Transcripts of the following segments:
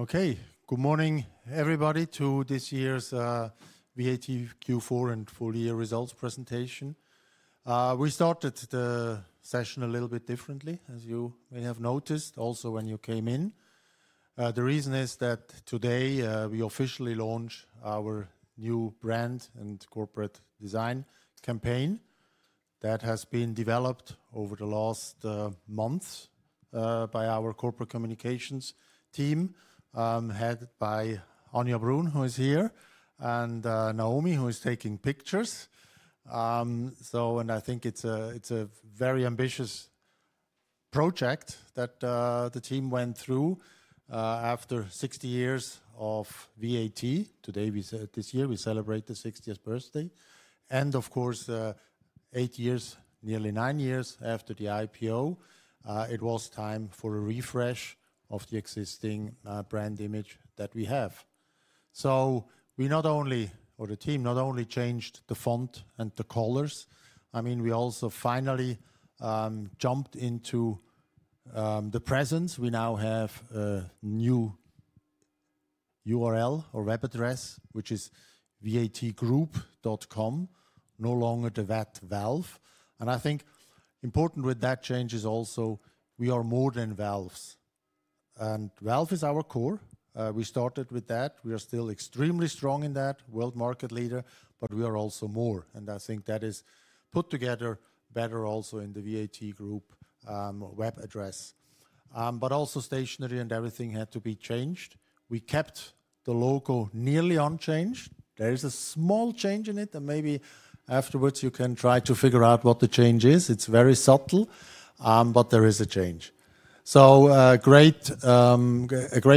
Okay, good morning, everybody, to this year's VAT Q4 and full-year results presentation. We started the session a little bit differently, as you may have noticed also when you came in. The reason is that today we officially launch our new brand and corporate design campaign that has been developed over the last month by our corporate communications team, headed by Anja Brun, who is here, and Naomi, who is taking pictures. So, and I think it's a very ambitious project that the team went through after 60 years of VAT. Today, this year, we celebrate the 60th birthday. And of course, eight years, nearly nine years after the IPO, it was time for a refresh of the existing brand image that we have. So we not only, or the team not only changed the font and the colors. I mean, we also finally jumped into the presence. We now have a new URL or web address, which is vatgroup.com, no longer the VAT valve. And I think important with that change is also we are more than valves. And valve is our core. We started with that. We are still extremely strong in that, world market leader, but we are also more. And I think that is put together better also in the VAT Group web address. But also stationery and everything had to be changed. We kept the logo nearly unchanged. There is a small change in it, and maybe afterwards you can try to figure out what the change is. It's very subtle, but there is a change. So a great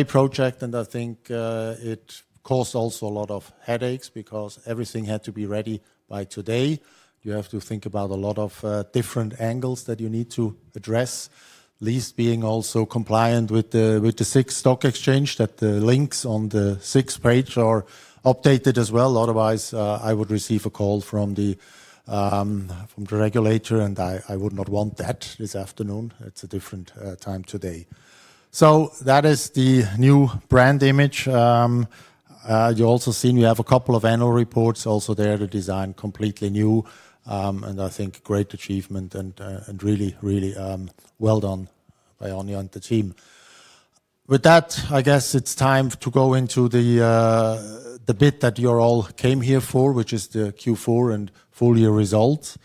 project, and I think it caused also a lot of headaches because everything had to be ready by today. You have to think about a lot of different angles that you need to address, at least being also compliant with the SIX Stock Exchange that links on the SIX page are updated as well. Otherwise, I would receive a call from the regulator, and I would not want that this afternoon. It's a different time today. So that is the new brand image. You've also seen we have a couple of annual reports also there to design completely new, and I think great achievement and really, really well done by Anja and the team. With that, I guess it's time to go into the bit that you all came here for, which is the Q4 and full-year results.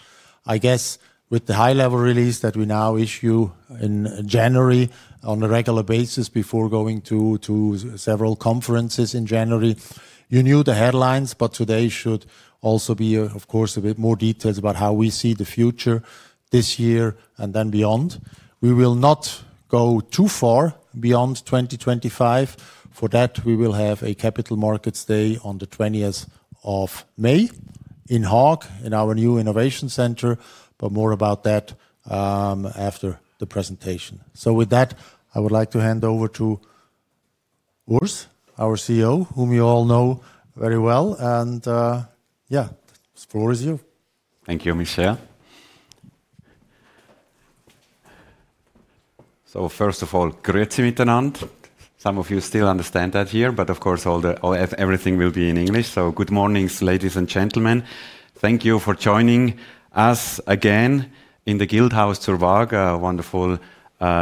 I guess with the high-level release that we now issue in January on a regular basis before going to several conferences in January, you knew the headlines, but today should also be, of course, a bit more details about how we see the future this year and then beyond. We will not go too far beyond 2025. For that, we will have a Capital Markets Day on the 20th of May in Haag, in our new innovation center, but more about that after the presentation. So with that, I would like to hand over to Urs, our CEO, whom you all know very well. And yeah, the floor is you. Thank you, Michel. So first of all, Grüezi miteinander. Some of you still understand that here, but of course everything will be in English. So good morning, ladies and gentlemen. Thank you for joining us again in the Zunfthaus zur Waag, a wonderful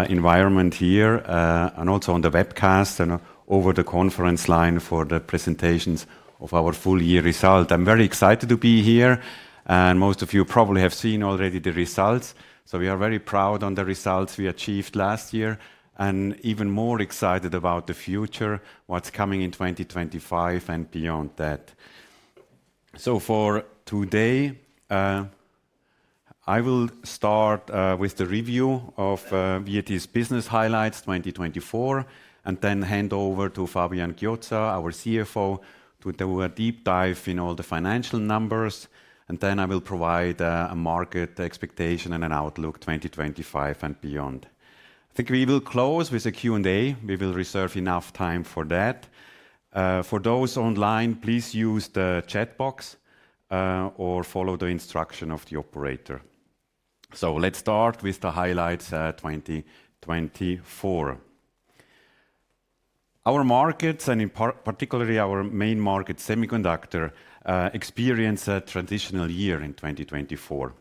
environment here, and also on the webcast and over the conference line for the presentations of our full-year result. I'm very excited to be here, and most of you probably have seen already the results. So we are very proud of the results we achieved last year and even more excited about the future, what's coming in 2025 and beyond that. So for today, I will start with the review of VAT's business highlights 2024 and then hand over to Fabian Chiozza, our CFO, to do a deep dive in all the financial numbers. And then I will provide a market expectation and an outlook 2025 and beyond. I think we will close with a Q&A. We will reserve enough time for that. For those online, please use the chat box or follow the instruction of the operator. So let's start with the highlights 2024. Our markets, and particularly our main market, semiconductor, experienced a transitional year in 2024.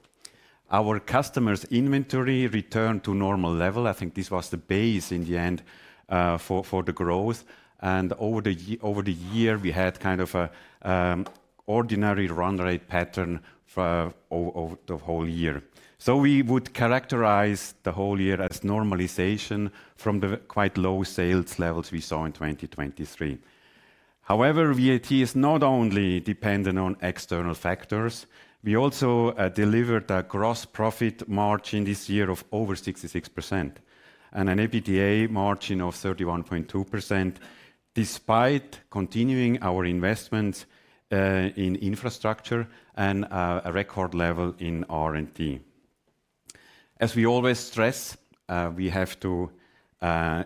Our customers' inventory returned to normal level. I think this was the base in the end for the growth. And over the year, we had kind of an ordinary run rate pattern for the whole year. So we would characterize the whole year as normalization from the quite low sales levels we saw in 2023. However, VAT is not only dependent on external factors. We also delivered a gross profit margin this year of over 66% and an EBITDA margin of 31.2% despite continuing our investments in infrastructure and a record level in R&D. As we always stress, we have to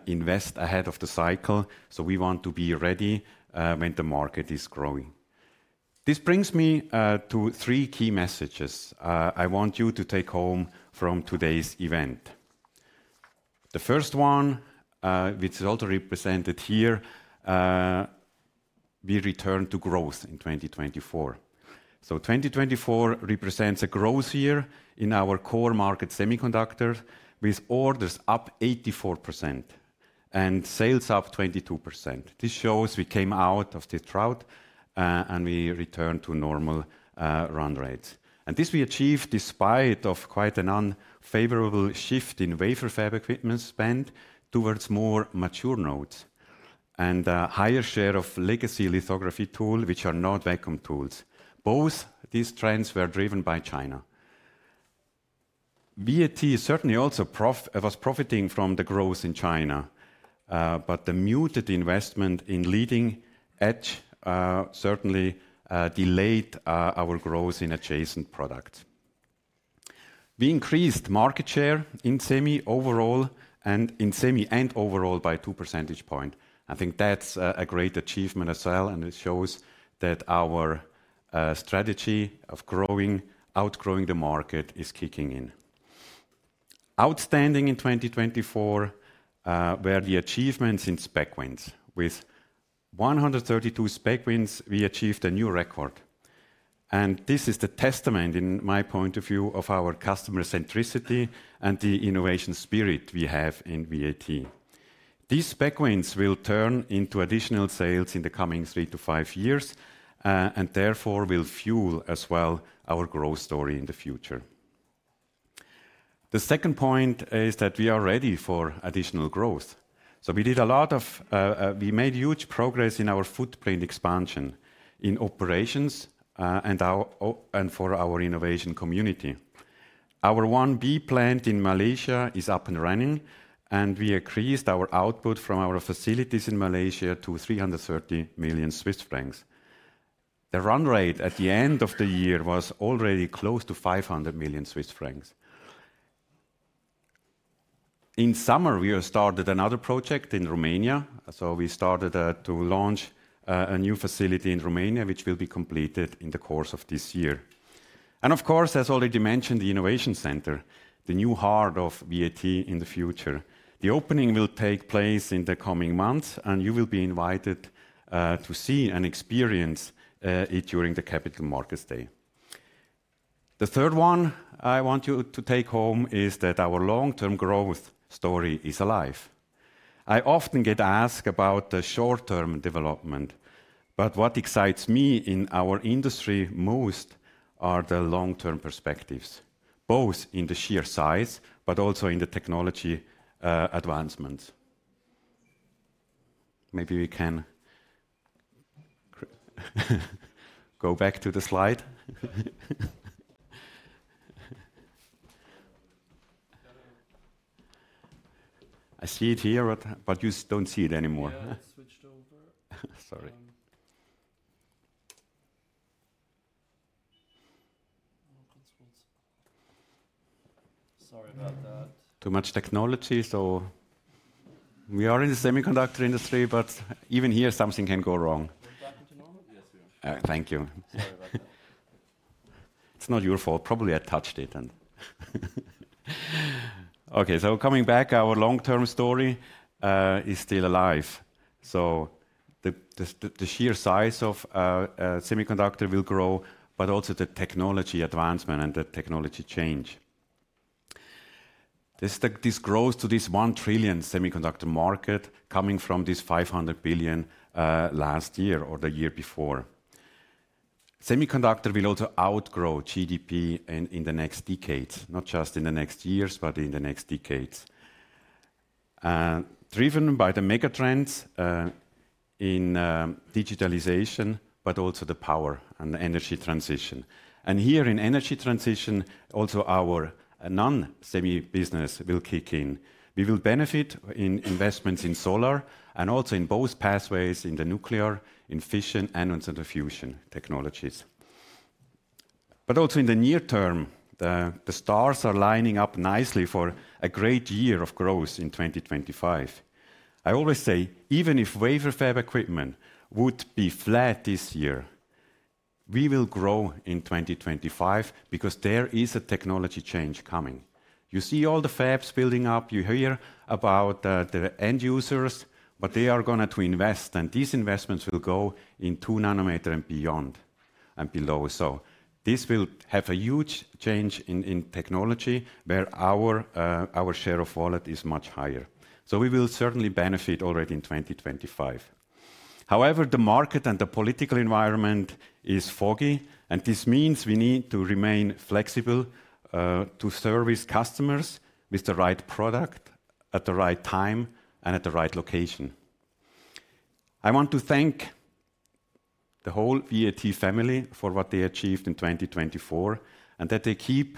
invest ahead of the cycle. So we want to be ready when the market is growing. This brings me to three key messages I want you to take home from today's event. The first one, which is also represented here, we returned to growth in 2024. So 2024 represents a growth year in our core market, semiconductors, with orders up 84% and sales up 22%. This shows we came out of this drought and we returned to normal run rates, and this we achieved despite quite an unfavorable shift in wafer fab equipment spend towards more mature nodes and a higher share of legacy lithography tools, which are not vacuum tools. Both these trends were driven by China. VAT certainly also was profiting from the growth in China, but the muted investment in leading edge certainly delayed our growth in adjacent products. We increased market share in semi overall and in semi and overall by two percentage points. I think that's a great achievement as well, and it shows that our strategy of growing, outgrowing the market is kicking in. Outstanding in 2024 were the achievements in spec wins. With 132 spec wins, we achieved a new record. And this is the testament, in my point of view, of our customer centricity and the innovation spirit we have in VAT. These spec wins will turn into additional sales in the coming three to five years and therefore will fuel as well our growth story in the future. The second point is that we are ready for additional growth. We did a lot of, we made huge progress in our footprint expansion in operations and for our innovation community. Our 1B plant in Malaysia is up and running, and we increased our output from our facilities in Malaysia to 330 million Swiss francs. The run rate at the end of the year was already close to 500 million Swiss francs. In summer, we started another project in Romania. We started to launch a new facility in Romania, which will be completed in the course of this year. And of course, as already mentioned, the innovation center, the new heart of VAT in the future. The opening will take place in the coming months, and you will be invited to see and experience it during the Capital Markets Day. The third one I want you to take home is that our long-term growth story is alive. I often get asked about the short-term development, but what excites me in our industry most are the long-term perspectives, both in the sheer size, but also in the technology advancements. Maybe we can go back to the slide. I see it here, but you don't see it anymore. Yeah, it switched over. Sorry. Sorry about that. Too much technology. So we are in the semiconductor industry, but even here, something can go wrong. We're back into normal? Yes, we are. Thank you. It's not your fault. Probably I touched it. Okay, so coming back, our long-term story is still alive. So the sheer size of semiconductor will grow, but also the technology advancement and the technology change. This grows to this $1 trillion semiconductor market coming from this $500 billion last year or the year before. Semiconductor will also outgrow GDP in the next decades, not just in the next years, but in the next decades. Driven by the megatrends in digitalization, but also the power and the energy transition. Here in energy transition, our non-semi business will kick in. We will benefit in investments in solar and also in both pathways in the nuclear, in fission and in fusion technologies. But also in the near term, the stars are lining up nicely for a great year of growth in 2025. I always say, even if wafer fab equipment would be flat this year, we will grow in 2025 because there is a technology change coming. You see all the fabs building up. You hear about the end users, but they are going to invest, and these investments will go in 2 nm and beyond and below. So this will have a huge change in technology where our share of wallet is much higher. So we will certainly benefit already in 2025. However, the market and the political environment is foggy, and this means we need to remain flexible to service customers with the right product at the right time and at the right location. I want to thank the whole VAT family for what they achieved in 2024 and that they keep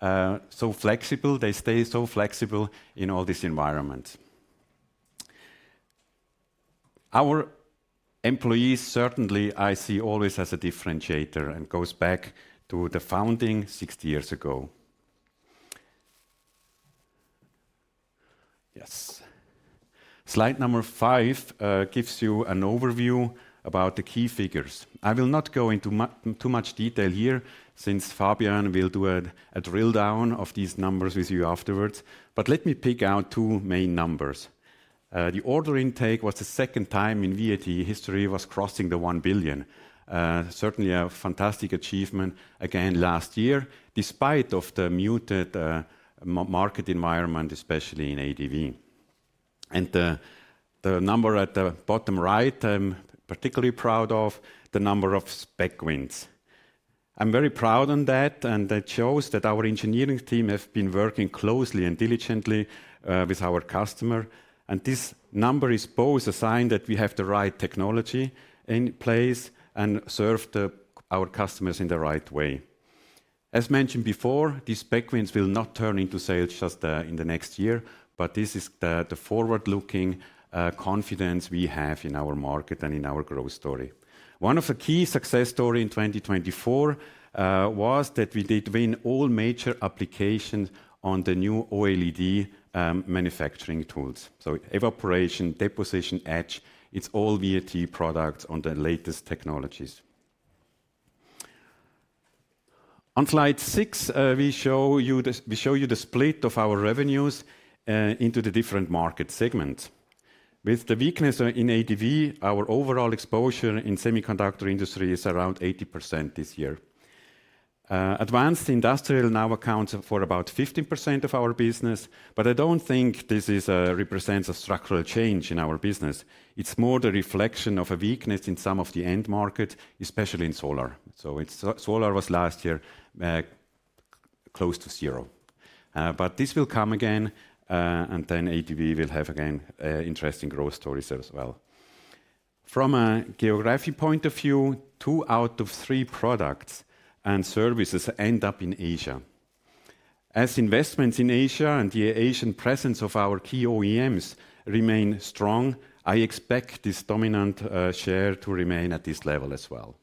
so flexible. They stay so flexible in all these environments. Our employees, certainly I see, always as a differentiator, and goes back to the founding 60 years ago. Yes. Slide number five gives you an overview about the key figures. I will not go into too much detail here since Fabian will do a drill down of these numbers with you afterwards, but let me pick out two main numbers. The order intake was, the second time in VAT history, crossing the 1 billion. Certainly a fantastic achievement again last year despite the muted market environment, especially in ADV, and the number at the bottom right, I'm particularly proud of the number of spec wins. I'm very proud on that, and that shows that our engineering team has been working closely and diligently with our customer. This number is both a sign that we have the right technology in place and serve our customers in the right way. As mentioned before, these spec wins will not turn into sales just in the next year, but this is the forward-looking confidence we have in our market and in our growth story. One of the key success stories in 2024 was that we did win all major applications on the new OLED manufacturing tools. So evaporation, deposition, etch, it's all VAT products on the latest technologies. On slide six, we show you the split of our revenues into the different market segments. With the weakness in ADV, our overall exposure in semiconductor industry is around 80% this year. Advanced Industrials now accounts for about 15% of our business, but I don't think this represents a structural change in our business. It's more the reflection of a weakness in some of the end markets, especially in solar. So solar was last year close to zero, but this will come again, and then ADV will have again interesting growth stories as well. From a geography point of view, two out of three products and services end up in Asia. As investments in Asia and the Asian presence of our key OEMs remain strong, I expect this dominant share to remain at this level as well.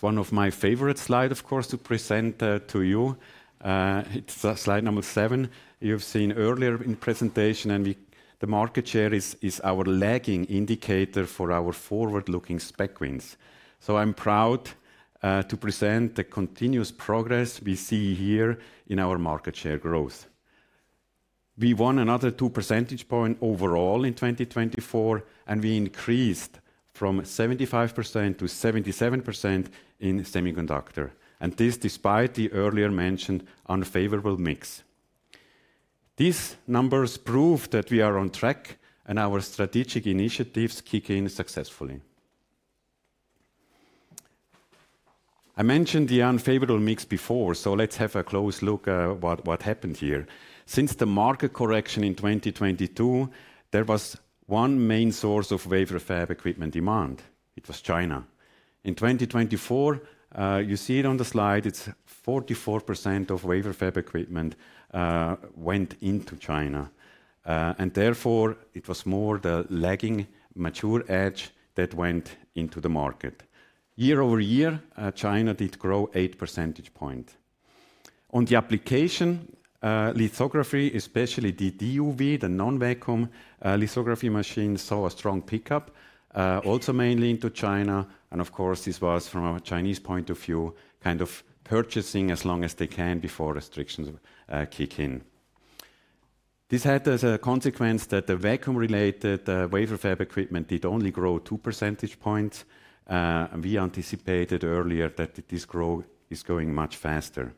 It's one of my favorite slides, of course, to present to you. It's slide number seven. You've seen earlier in presentation, and the market share is our lagging indicator for our forward-looking spec wins. So I'm proud to present the continuous progress we see here in our market share growth. We won another two percentage points overall in 2024, and we increased from 75%-77% in semiconductor, and this despite the earlier mentioned unfavorable mix. These numbers prove that we are on track and our strategic initiatives kick in successfully. I mentioned the unfavorable mix before, so let's have a close look at what happened here. Since the market correction in 2022, there was one main source of wafer fab equipment demand. It was China. In 2024, you see it on the slide, it's 44% of wafer fab equipment went into China, and therefore it was more the lagging mature etch that went into the market. Year over year, China did grow 8 percentage points. On the application lithography, especially the DUV, the non-vacuum lithography machines saw a strong pickup, also mainly into China. And of course, this was from a Chinese point of view, kind of purchasing as long as they can before restrictions kick in. This had as a consequence that the vacuum-related wafer fab equipment did only grow 2 percentage points. We anticipated earlier that this growth is going much faster.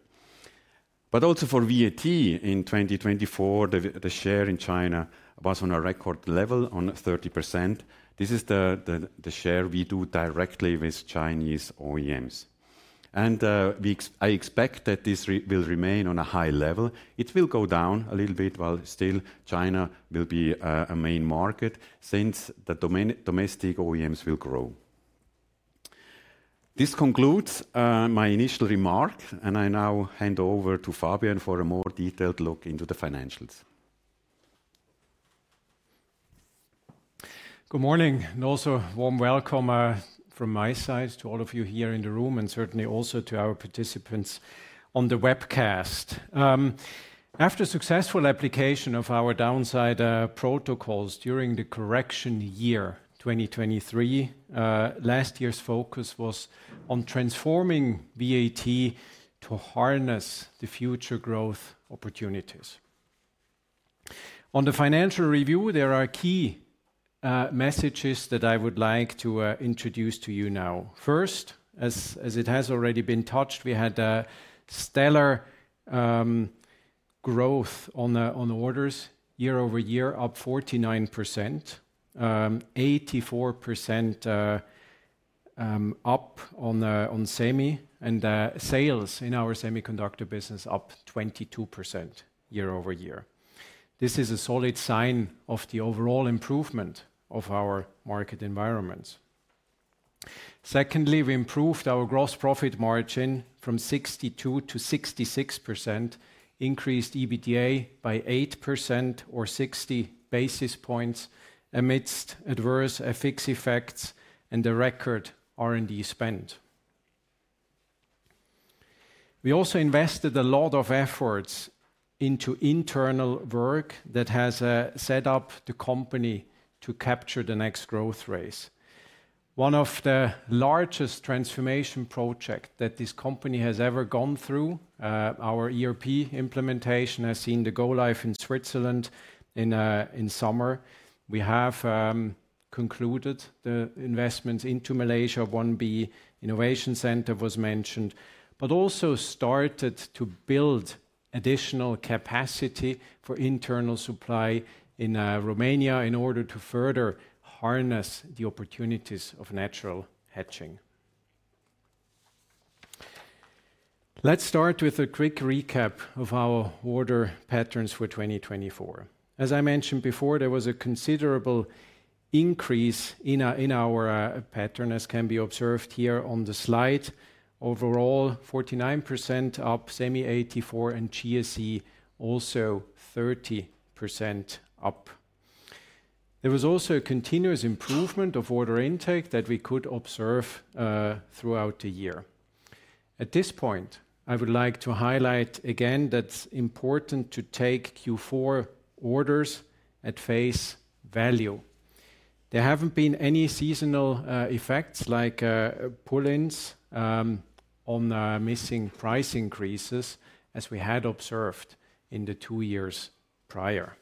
But also for VAT in 2024, the share in China was on a record level on 30%. This is the share we do directly with Chinese OEMs. And I expect that this will remain on a high level. It will go down a little bit, while still China will be a main market since the domestic OEMs will grow. This concludes my initial remark, and I now hand over to Fabian for a more detailed look into the financials. Good morning and also warm welcome from my side to all of you here in the room and certainly also to our participants on the webcast. After successful application of our downside protocols during the correction year 2023, last year's focus was on transforming VAT to harness the future growth opportunities. On the financial review, there are key messages that I would like to introduce to you now. First, as it has already been touched, we had a stellar growth on orders year over year, up 49%, 84% up on semi and sales in our semiconductor business, up 22% year over year. This is a solid sign of the overall improvement of our market environment. Secondly, we improved our gross profit margin from 62%-66%, increased EBITDA by 8% or 60 basis points amidst adverse effects and the record R&D spend. We also invested a lot of efforts into internal work that has set up the company to capture the next growth race. One of the largest transformation projects that this company has ever gone through, our ERP implementation has seen the go-live in Switzerland in summer. We have concluded the investments into Malaysia 1B Innovation Center was mentioned, but also started to build additional capacity for internal supply in Romania in order to further harness the opportunities of natural hedging. Let's start with a quick recap of our order patterns for 2024. As I mentioned before, there was a considerable increase in our pattern, as can be observed here on the slide. Overall, 49% up, semi 84%, and GSE also 30% up. There was also a continuous improvement of order intake that we could observe throughout the year. At this point, I would like to highlight again that it's important to take Q4 orders at face value. There haven't been any seasonal effects like pull-ins on missing price increases as we had observed in the two years prior.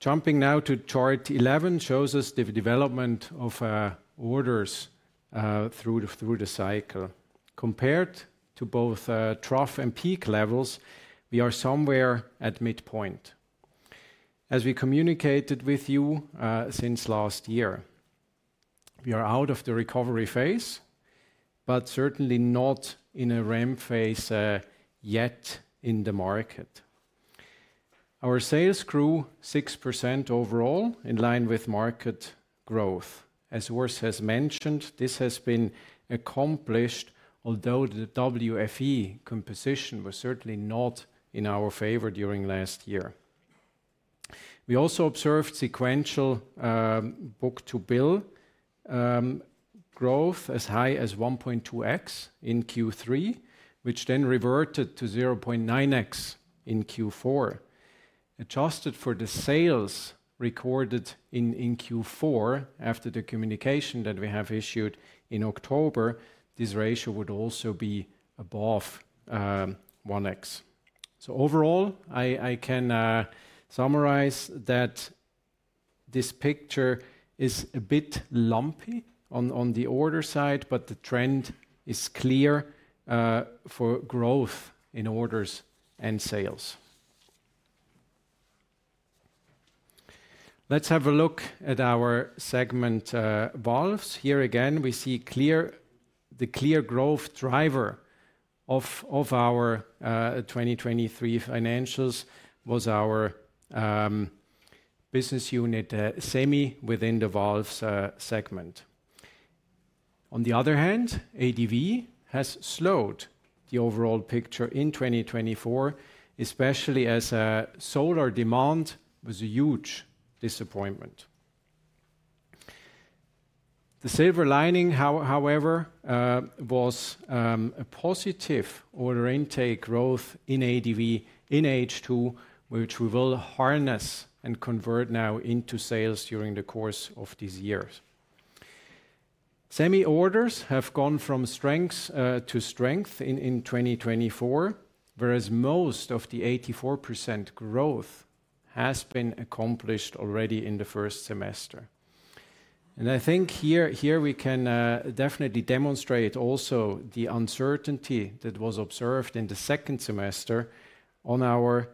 Jumping now to chart 11 shows us the development of orders through the cycle. Compared to both trough and peak levels, we are somewhere at midpoint. As we communicated with you since last year, we are out of the recovery phase, but certainly not in a REM phase yet in the market. Our sales grew 6% overall in line with market growth. As Urs has mentioned, this has been accomplished, although the WFE composition was certainly not in our favor during last year. We also observed sequential book-to-bill growth as high as 1.2x in Q3, which then reverted to 0.9x in Q4. Adjusted for the sales recorded in Q4 after the communication that we have issued in October, this ratio would also be above 1x. So overall, I can summarize that this picture is a bit lumpy on the order side, but the trend is clear for growth in orders and sales. Let's have a look at our segment valves. Here again, we see the clear growth driver of our 2023 financials was our business unit semi within the valves segment. On the other hand, ADV has slowed the overall picture in 2024, especially as solar demand was a huge disappointment. The silver lining, however, was a positive order intake growth in ADV in H2, which we will harness and convert now into sales during the course of these years. Semi orders have gone from strength to strength in 2024, whereas most of the 84% growth has been accomplished already in the first semester, and I think here we can definitely demonstrate also the uncertainty that was observed in the second semester on our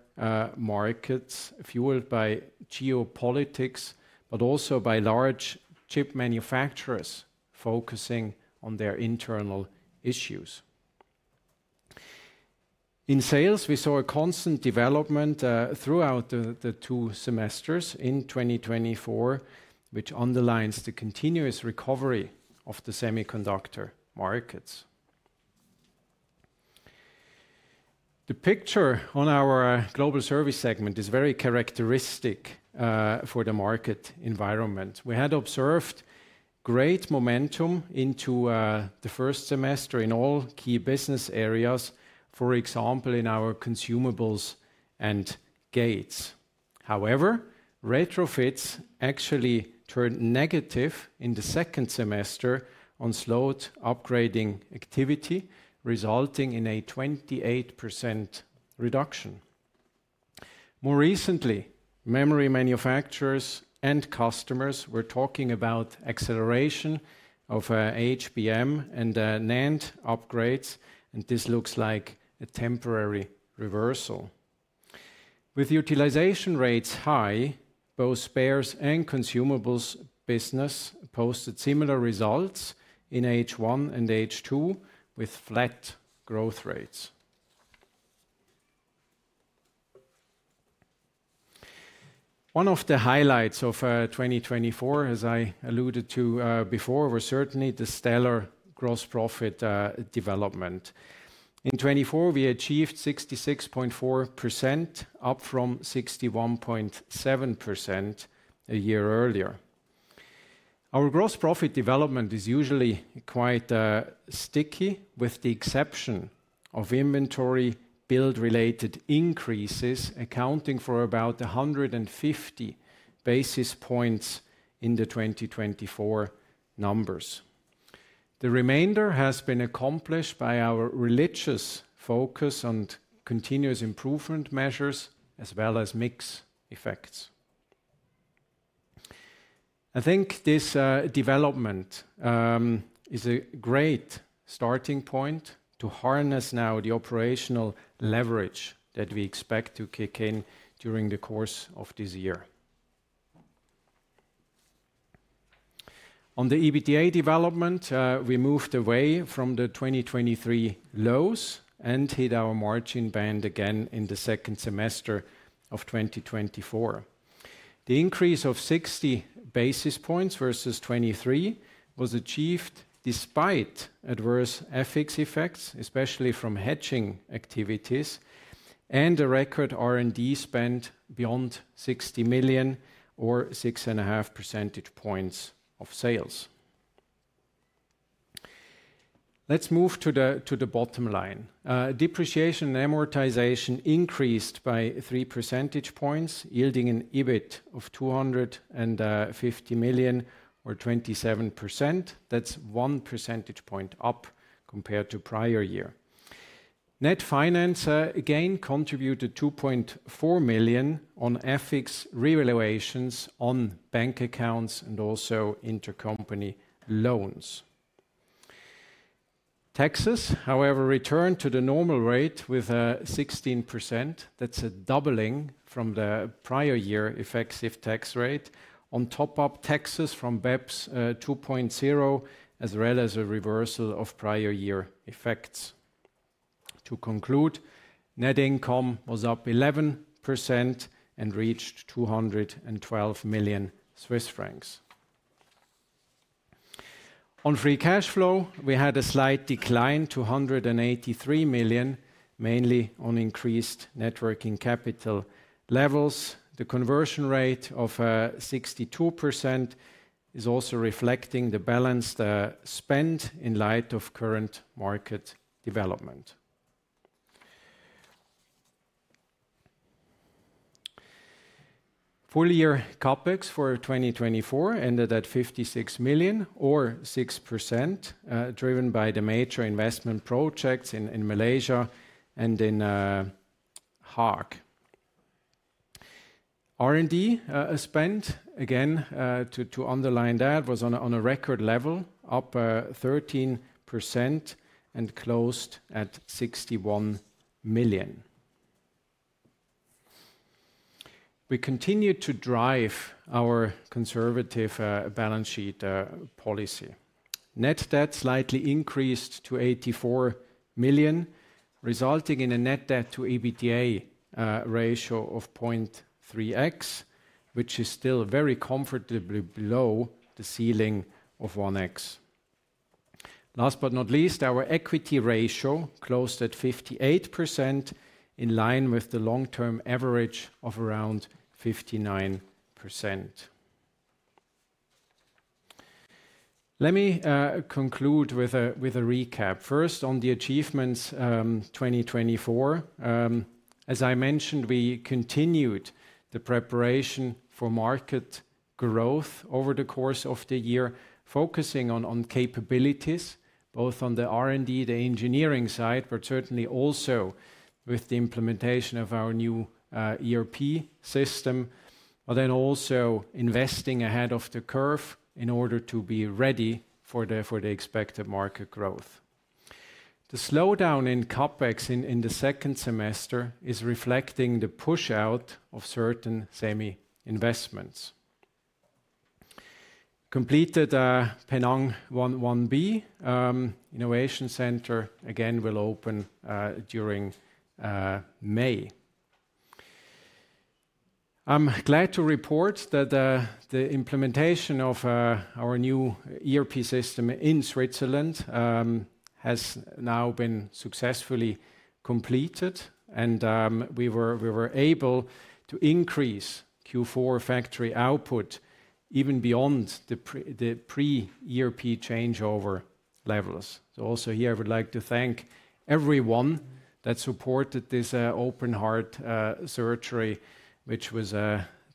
markets fueled by geopolitics, but also by large chip manufacturers focusing on their internal issues. In sales, we saw a constant development throughout the two semesters in 2024, which underlines the continuous recovery of the semiconductor markets. The picture on our Global Service segment is very characteristic for the market environment. We had observed great momentum into the first semester in all key business areas, for example, in our consumables and gates. However, retrofits actually turned negative in the second semester on slowed upgrading activity, resulting in a 28% reduction. More recently, memory manufacturers and customers were talking about acceleration of HBM and NAND upgrades, and this looks like a temporary reversal. With utilization rates high, both spares and consumables business posted similar results in H1 and H2 with flat growth rates. One of the highlights of 2024, as I alluded to before, was certainly the stellar gross profit development. In 2024, we achieved 66.4%, up from 61.7% a year earlier. Our gross profit development is usually quite sticky, with the exception of inventory build-related increases accounting for about 150 basis points in the 2024 numbers. The remainder has been accomplished by our religious focus on continuous improvement measures as well as mixed effects. I think this development is a great starting point to harness now the operational leverage that we expect to kick in during the course of this year. On the EBITDA development, we moved away from the 2023 lows and hit our margin band again in the second semester of 2024. The increase of 60 basis points versus 2023 was achieved despite adverse effects, especially from etching activities, and a record R&D spend beyond 60 million or 6.5 percentage points of sales. Let's move to the bottom line. Depreciation and amortization increased by 3 percentage points, yielding an EBIT of 250 million or 27%. That's 1 percentage point up compared to prior year. Net finance again contributed 2.4 million on FX revaluations on bank accounts and also intercompany loans. Taxes, however, returned to the normal rate with 16%. That's a doubling from the prior year effective tax rate. On top of taxes from BEPS 2.0, as well as a reversal of prior year effects. To conclude, net income was up 11% and reached CHF 212 million. On free cash flow, we had a slight decline to 183 million, mainly on increased net working capital levels. The conversion rate of 62% is also reflecting the balanced spend in light of current market development. Full year CapEx for 2024 ended at 56 million or 6%, driven by the major investment projects in Malaysia and in Haag. R&D spend, again, to underline that, was on a record level, up 13% and closed at CHF 61 million. We continued to drive our conservative balance sheet policy. Net debt slightly increased to 84 million, resulting in a net debt to EBITDA ratio of 0.3x, which is still very comfortably below the ceiling of 1x. Last but not least, our equity ratio closed at 58%, in line with the long-term average of around 59%. Let me conclude with a recap. First, on the achievements 2024, as I mentioned, we continued the preparation for market growth over the course of the year, focusing on capabilities, both on the R&D, the engineering side, but certainly also with the implementation of our new ERP system, but then also investing ahead of the curve in order to be ready for the expected market growth. The slowdown in CapEx in the second semester is reflecting the push-out of certain semi investments. Completed Penang 1B Innovation Center, again, will open during May. I'm glad to report that the implementation of our new ERP system in Switzerland has now been successfully completed, and we were able to increase Q4 factory output even beyond the pre-ERP changeover levels. So also here, I would like to thank everyone that supported this open heart surgery, which was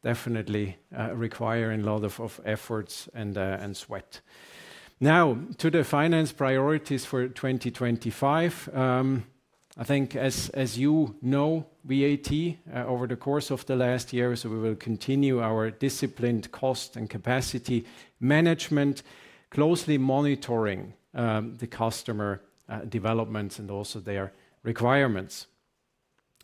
definitely requiring a lot of efforts and sweat. Now, to the finance priorities for 2025, I think as you know, we have over the course of the last year, so we will continue our disciplined cost and capacity management, closely monitoring the customer developments and also their requirements.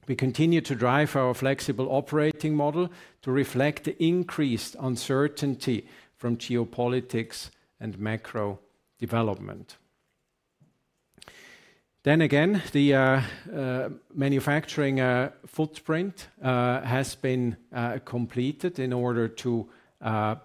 We continue to drive our flexible operating model to reflect the increased uncertainty from geopolitics and macro development. Then again, the manufacturing footprint has been completed in order to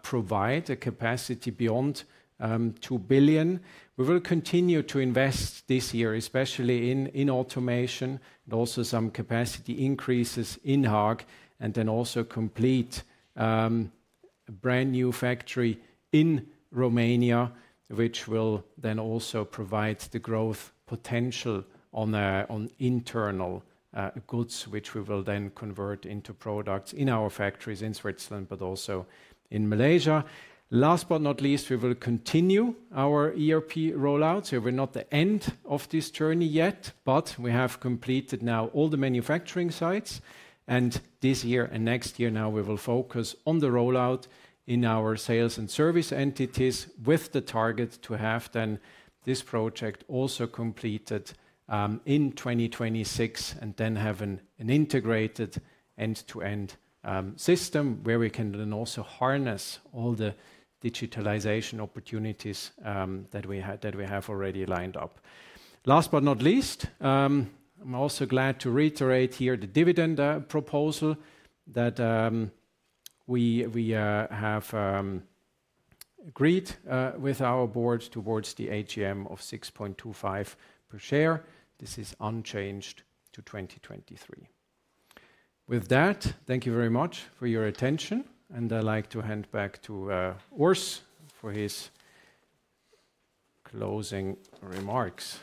provide a capacity beyond 2 billion. We will continue to invest this year, especially in automation, also some capacity increases in Haag, and then also complete a brand new factory in Romania, which will then also provide the growth potential on internal goods, which we will then convert into products in our factories in Switzerland, but also in Malaysia. Last but not least, we will continue our ERP rollout. So we're not at the end of this journey yet, but we have completed now all the manufacturing sites. And this year and next year now, we will focus on the rollout in our sales and service entities with the target to have then this project also completed in 2026 and then have an integrated end-to-end system where we can then also harness all the digitalization opportunities that we have already lined up. Last but not least, I'm also glad to reiterate here the dividend proposal that we have agreed with our board towards the AGM of 6.25 per share. This is unchanged to 2023. With that, thank you very much for your attention, and I'd like to hand back to Urs for his closing remarks.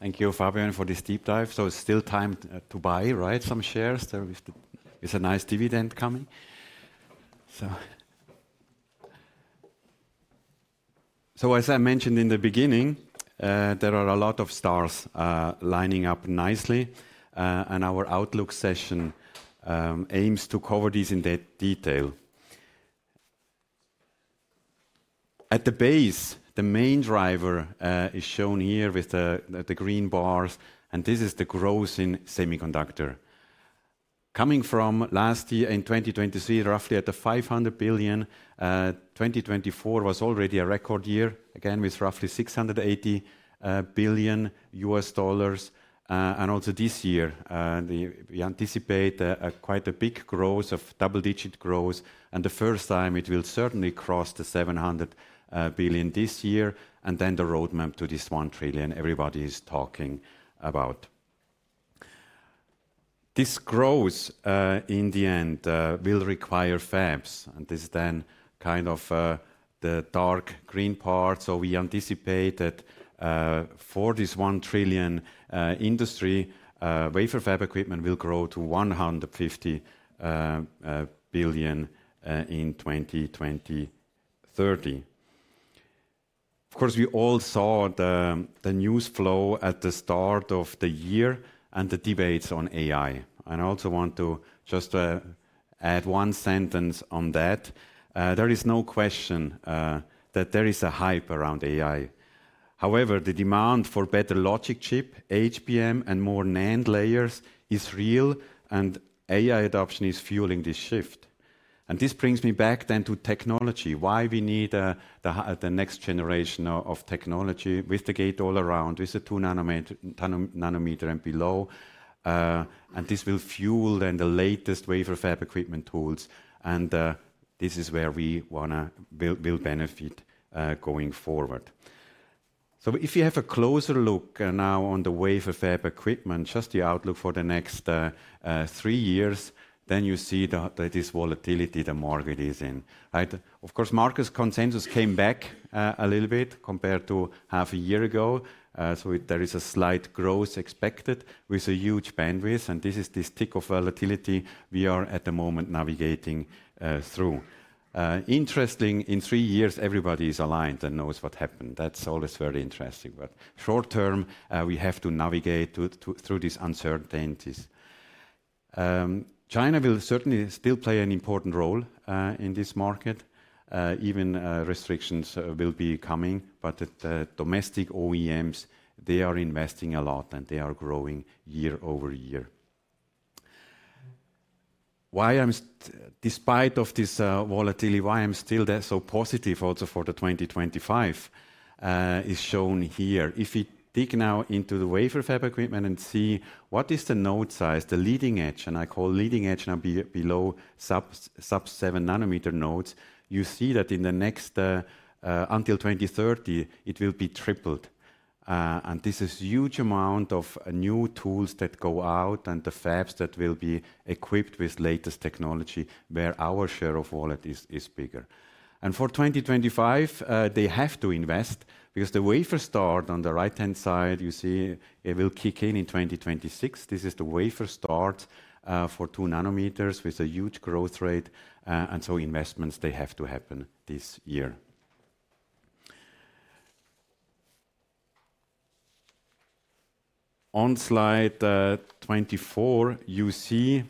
Thank you, Fabian, for this deep dive. So it's still time to buy, right? Some shares. There is a nice dividend coming. So as I mentioned in the beginning, there are a lot of stars lining up nicely, and our outlook session aims to cover these in detail. At the base, the main driver is shown here with the green bars, and this is the growth in semiconductor. Coming from last year in 2023, roughly at the $500 billion, 2024 was already a record year, again with roughly $680 billion. And also this year, we anticipate quite a big growth of double-digit growth, and the first time it will certainly cross the $700 billion this year, and then the roadmap to this $1 trillion everybody is talking about. This growth in the end will require fabs, and this is then kind of the dark green part. So we anticipate that for this $1 trillion industry, wafer fab equipment will grow to $150 billion in 2030. Of course, we all saw the news flow at the start of the year and the debates on AI. And I also want to just add one sentence on that. There is no question that there is a hype around AI. However, the demand for better logic chip, HBM, and more NAND layers is real, and AI adoption is fueling this shift. And this brings me back then to technology, why we need the next generation of technology with the Gate-All-Around, with the 2 nm and below. And this will fuel then the latest wafer fab equipment tools, and this is where we want to build benefit going forward. So if you have a closer look now on the wafer fab equipment, just the outlook for the next three years, then you see that this volatility the market is in. Of course, market consensus came back a little bit compared to half a year ago. So there is a slight growth expected with a huge bandwidth, and this is this tick of volatility we are at the moment navigating through. Interesting, in three years, everybody is aligned and knows what happened. That's always very interesting, but short term, we have to navigate through these uncertainties. China will certainly still play an important role in this market. Even restrictions will be coming, but the domestic OEMs, they are investing a lot and they are growing year over year. Why I'm, despite this volatility, why I'm still so positive also for the 2025 is shown here. If we dig now into the wafer fab equipment and see what is the node size, the leading edge, and I call leading edge now below sub-7 nm nodes, you see that in the next until 2030, it will be tripled. And this is a huge amount of new tools that go out and the fabs that will be equipped with latest technology where our share of wallet is bigger. And for 2025, they have to invest because the wafer start on the right-hand side, you see, it will kick in in 2026. This is the wafer start for 2 nm with a huge growth rate. And so investments, they have to happen this year. On slide 24, you see,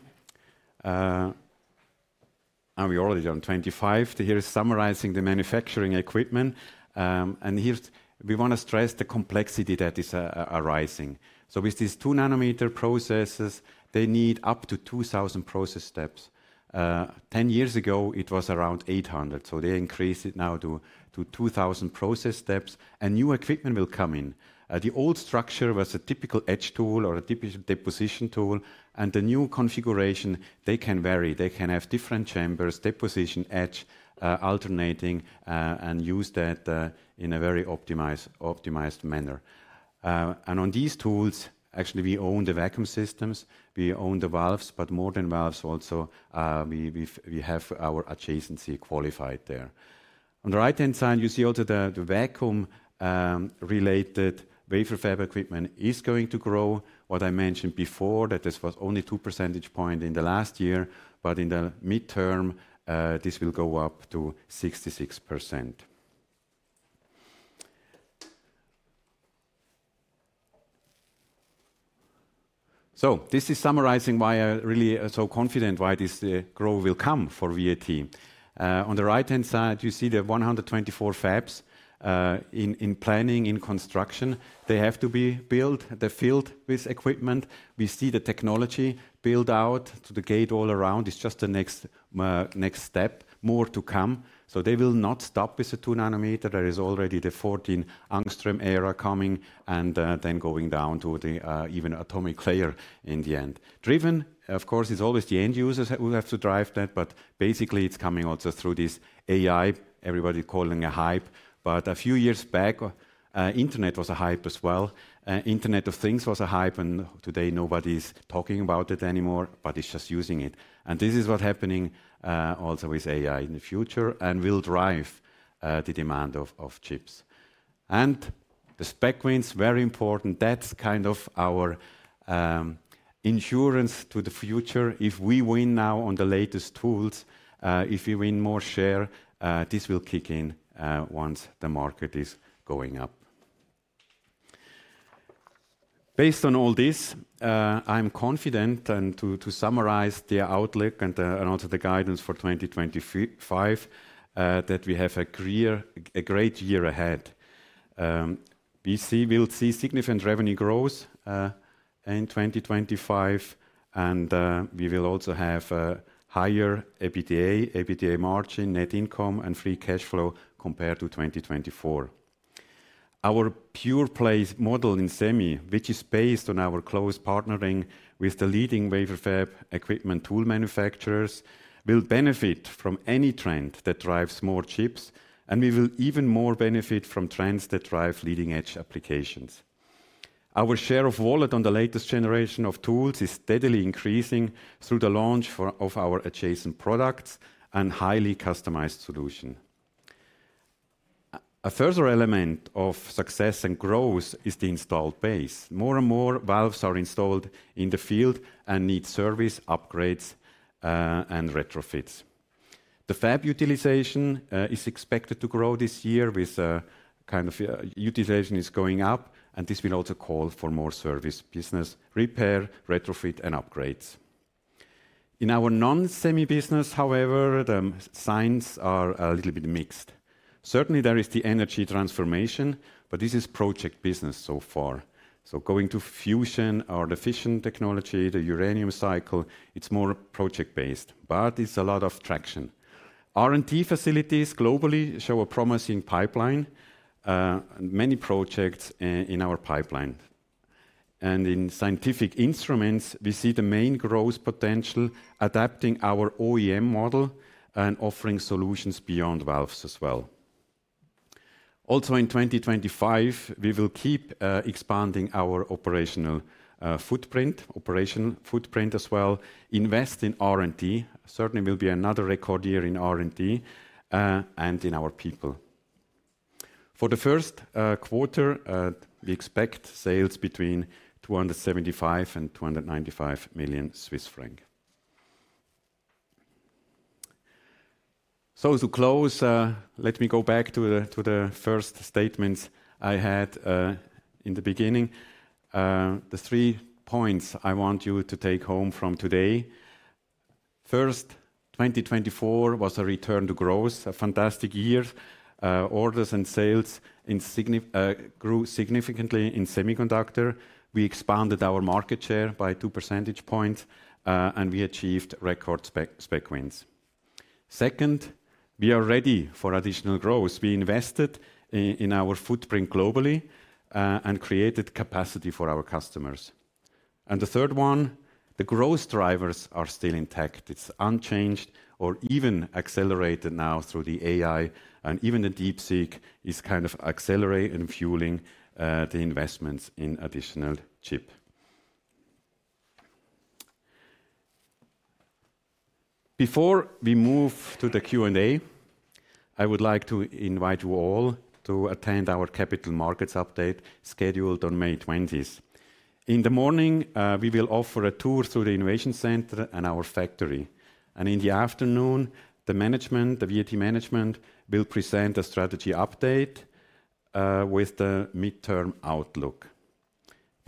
and we already on 25, here is summarizing the manufacturing equipment. And here we want to stress the complexity that is arising. With these two nm processes, they need up to 2,000 process steps. Ten years ago, it was around 800. They increase it now to 2,000 process steps. New equipment will come in. The old structure was a typical etch tool or a typical deposition tool. The new configuration, they can vary. They can have different chambers, deposition, etch, alternating, and use that in a very optimized manner. On these tools, actually, we own the vacuum systems. We own the valves, but more than valves also, we have our adjacency qualified there. On the right-hand side, you see also the vacuum-related wafer fab equipment is going to grow. What I mentioned before, that this was only two percentage points in the last year, but in the midterm, this will go up to 66%. This is summarizing why I really so confident why this growth will come for VAT. On the right-hand side, you see the 124 fabs in planning, in construction. They have to be built. They're filled with equipment. We see the technology build out to the gate-all-around. It's just the next step, more to come. So they will not stop with the 2 nm. There is already the 14-Angstrom era coming and then going down to the even atomic layer in the end. Driven, of course, it's always the end users who have to drive that, but basically, it's coming also through this AI, everybody calling a hype. But a few years back, internet was a hype as well. Internet of Things was a hype, and today nobody's talking about it anymore, but it's just using it. And this is what's happening also with AI in the future and will drive the demand of chips. And the spec wins are very important. That's kind of our insurance to the future. If we win now on the latest tools, if we win more share, this will kick in once the market is going up. Based on all this, I'm confident, and to summarize the outlook and also the guidance for 2025, that we have a great year ahead. We will see significant revenue growth in 2025, and we will also have a higher EBITDA, EBITDA margin, net income, and free cash flow compared to 2024. Our pure play model in semi, which is based on our close partnering with the leading wafer fab equipment tool manufacturers, will benefit from any trend that drives more chips, and we will even more benefit from trends that drive leading edge applications. Our share of wallet on the latest generation of tools is steadily increasing through the launch of our adjacent products and highly customized solution. A further element of success and growth is the installed base. More and more valves are installed in the field and need service upgrades and retrofits. The fab utilization is expected to grow this year with utilization going up, and this will also call for more service business, repair, retrofit, and upgrades. In our non-semi business, however, the signs are a little bit mixed. Certainly, there is the energy transformation, but this is project business so far, so going to fusion or the fission technology, the uranium cycle, it's more project-based, but it's a lot of traction. R&D facilities globally show a promising pipeline, many projects in our pipeline. In scientific instruments, we see the main growth potential, adapting our OEM model and offering solutions beyond valves as well. Also, in 2025, we will keep expanding our operational footprint as well, invest in R&D. Certainly, there will be another record year in R&D and in our people. For the first quarter, we expect sales between 275 million and 295 million Swiss francs. To close, let me go back to the first statements I had in the beginning. The three points I want you to take home from today. First, 2024 was a return to growth, a fantastic year. Orders and sales grew significantly in semiconductor. We expanded our market share by two percentage points, and we achieved record spec wins. Second, we are ready for additional growth. We invested in our footprint globally and created capacity for our customers. The third one, the growth drivers are still intact. It's unchanged or even accelerated now through the AI, and even the DeepSeek is kind of accelerating and fueling the investments in additional chip. Before we move to the Q&A, I would like to invite you all to attend our capital markets update scheduled on May 20th. In the morning, we will offer a tour through the innovation center and our factory. In the afternoon, the management, the VAT management, will present a strategy update with the midterm outlook.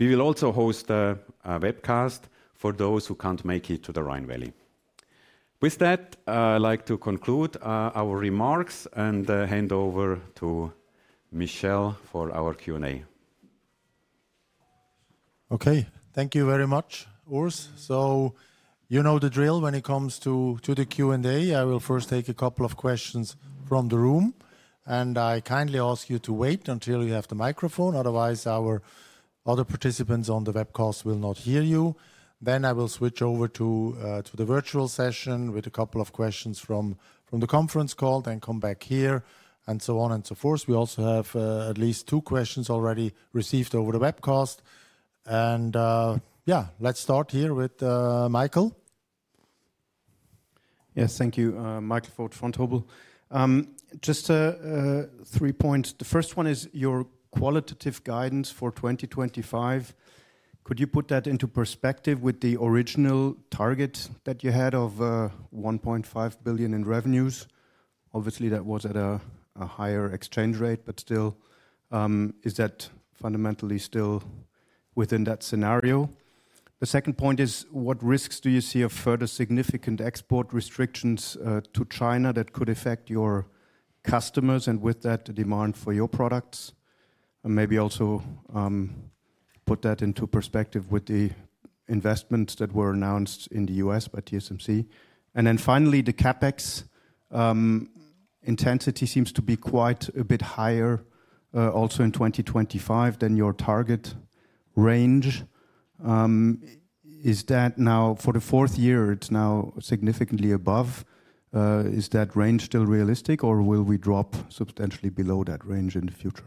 We will also host a webcast for those who can't make it to the Rhine Valley. With that, I'd like to conclude our remarks and hand over to Michel for our Q&A. Okay, thank you very much, Urs. You know the drill when it comes to the Q&A. I will first take a couple of questions from the room, and I kindly ask you to wait until you have the microphone. Otherwise, our other participants on the webcast will not hear you. Then I will switch over to the virtual session with a couple of questions from the conference call, then come back here, and so on and so forth. We also have at least two questions already received over the webcast. And yeah, let's start here with Michael. Yes, thank you, Michael Foeth Vontobel. Just a three-point. The first one is your qualitative guidance for 2025. Could you put that into perspective with the original target that you had of 1.5 billion in revenues? Obviously, that was at a higher exchange rate, but still, is that fundamentally still within that scenario? The second point is, what risks do you see of further significant export restrictions to China that could affect your customers and with that, the demand for your products? And maybe also put that into perspective with the investments that were announced in the U.S. by TSMC. And then finally, the CapEx intensity seems to be quite a bit higher also in 2025 than your target range. Is that now for the fourth year, it's now significantly above. Is that range still realistic, or will we drop substantially below that range in the future?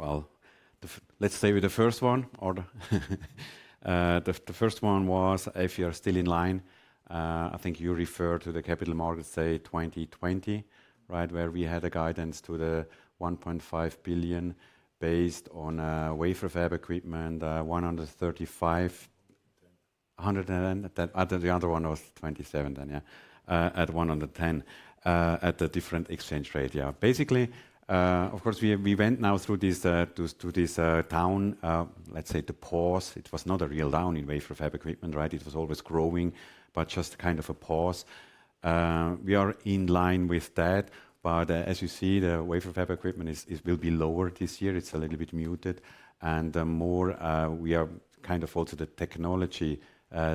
Yeah, well, let's stay with the first one. The first one was, if you're still online, I think you referred to the Capital Markets Day 2020, right, where we had a guidance to the 1.5 billion based on wafer fab equipment, 135, 110. The other one was 27 then, yeah, at 110 at the different exchange rate. Yeah, basically, of course, we went now through this downturn, let's say, to pause. It was not a real down in wafer fab equipment, right? It was always growing, but just kind of a pause. We are in line with that, but as you see, the wafer fab equipment will be lower this year. It's a little bit muted. And more, we are kind of also the technology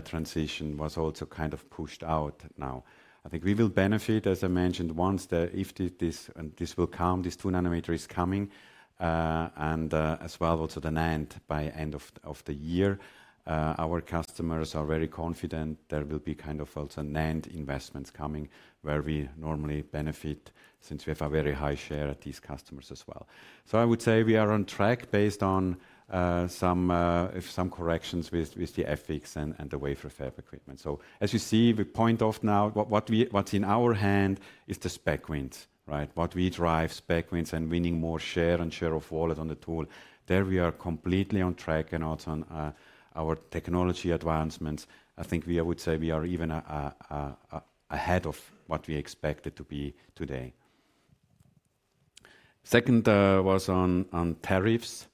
transition was also kind of pushed out now. I think we will benefit, as I mentioned, once this will come, this 2 nm is coming. And as well, also the NAND by end of the year, our customers are very confident there will be kind of also NAND investments coming where we normally benefit since we have a very high share at these customers as well. So I would say we are on track based on some corrections with the etch and the wafer fab equipment. So as you see, we point out now what's in our hand is the spec wins, right? What we drive spec wins and winning more share and share of wallet on the tool. There we are completely on track and also on our technology advancements. I think I would say we are even ahead of what we expected to be today. Second was on tariffs.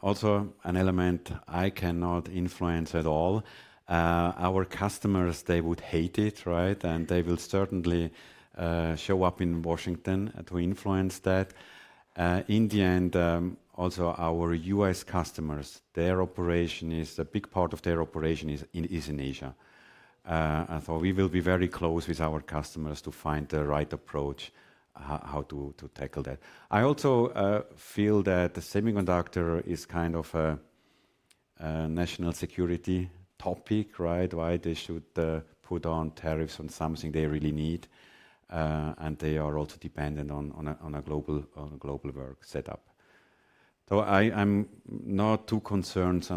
Also an element I cannot influence at all. Our customers, they would hate it, right? And they will certainly show up in Washington to influence that. In the end, also our U.S. customers, a big part of their operation is in Asia. And so we will be very close with our customers to find the right approach, how to tackle that. I also feel that the semiconductor is kind of a national security topic, right? Why they should put on tariffs on something they really need, and they are also dependent on a global work setup. So I'm not too concerned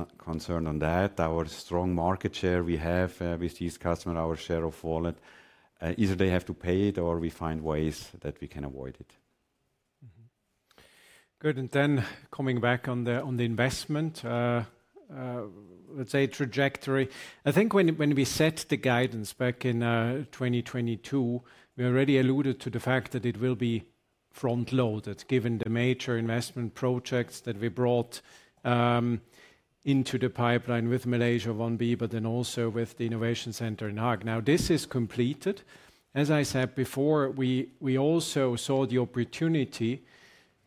on that. Our strong market share we have with these customers, our share of wallet, either they have to pay it or we find ways that we can avoid it. Good, and then coming back on the investment, let's say trajectory. I think when we set the guidance back in 2022, we already alluded to the fact that it will be front-loaded given the major investment projects that we brought into the pipeline with Malaysia 1B, but then also with the innovation center in Haag. Now, this is completed. As I said before, we also saw the opportunity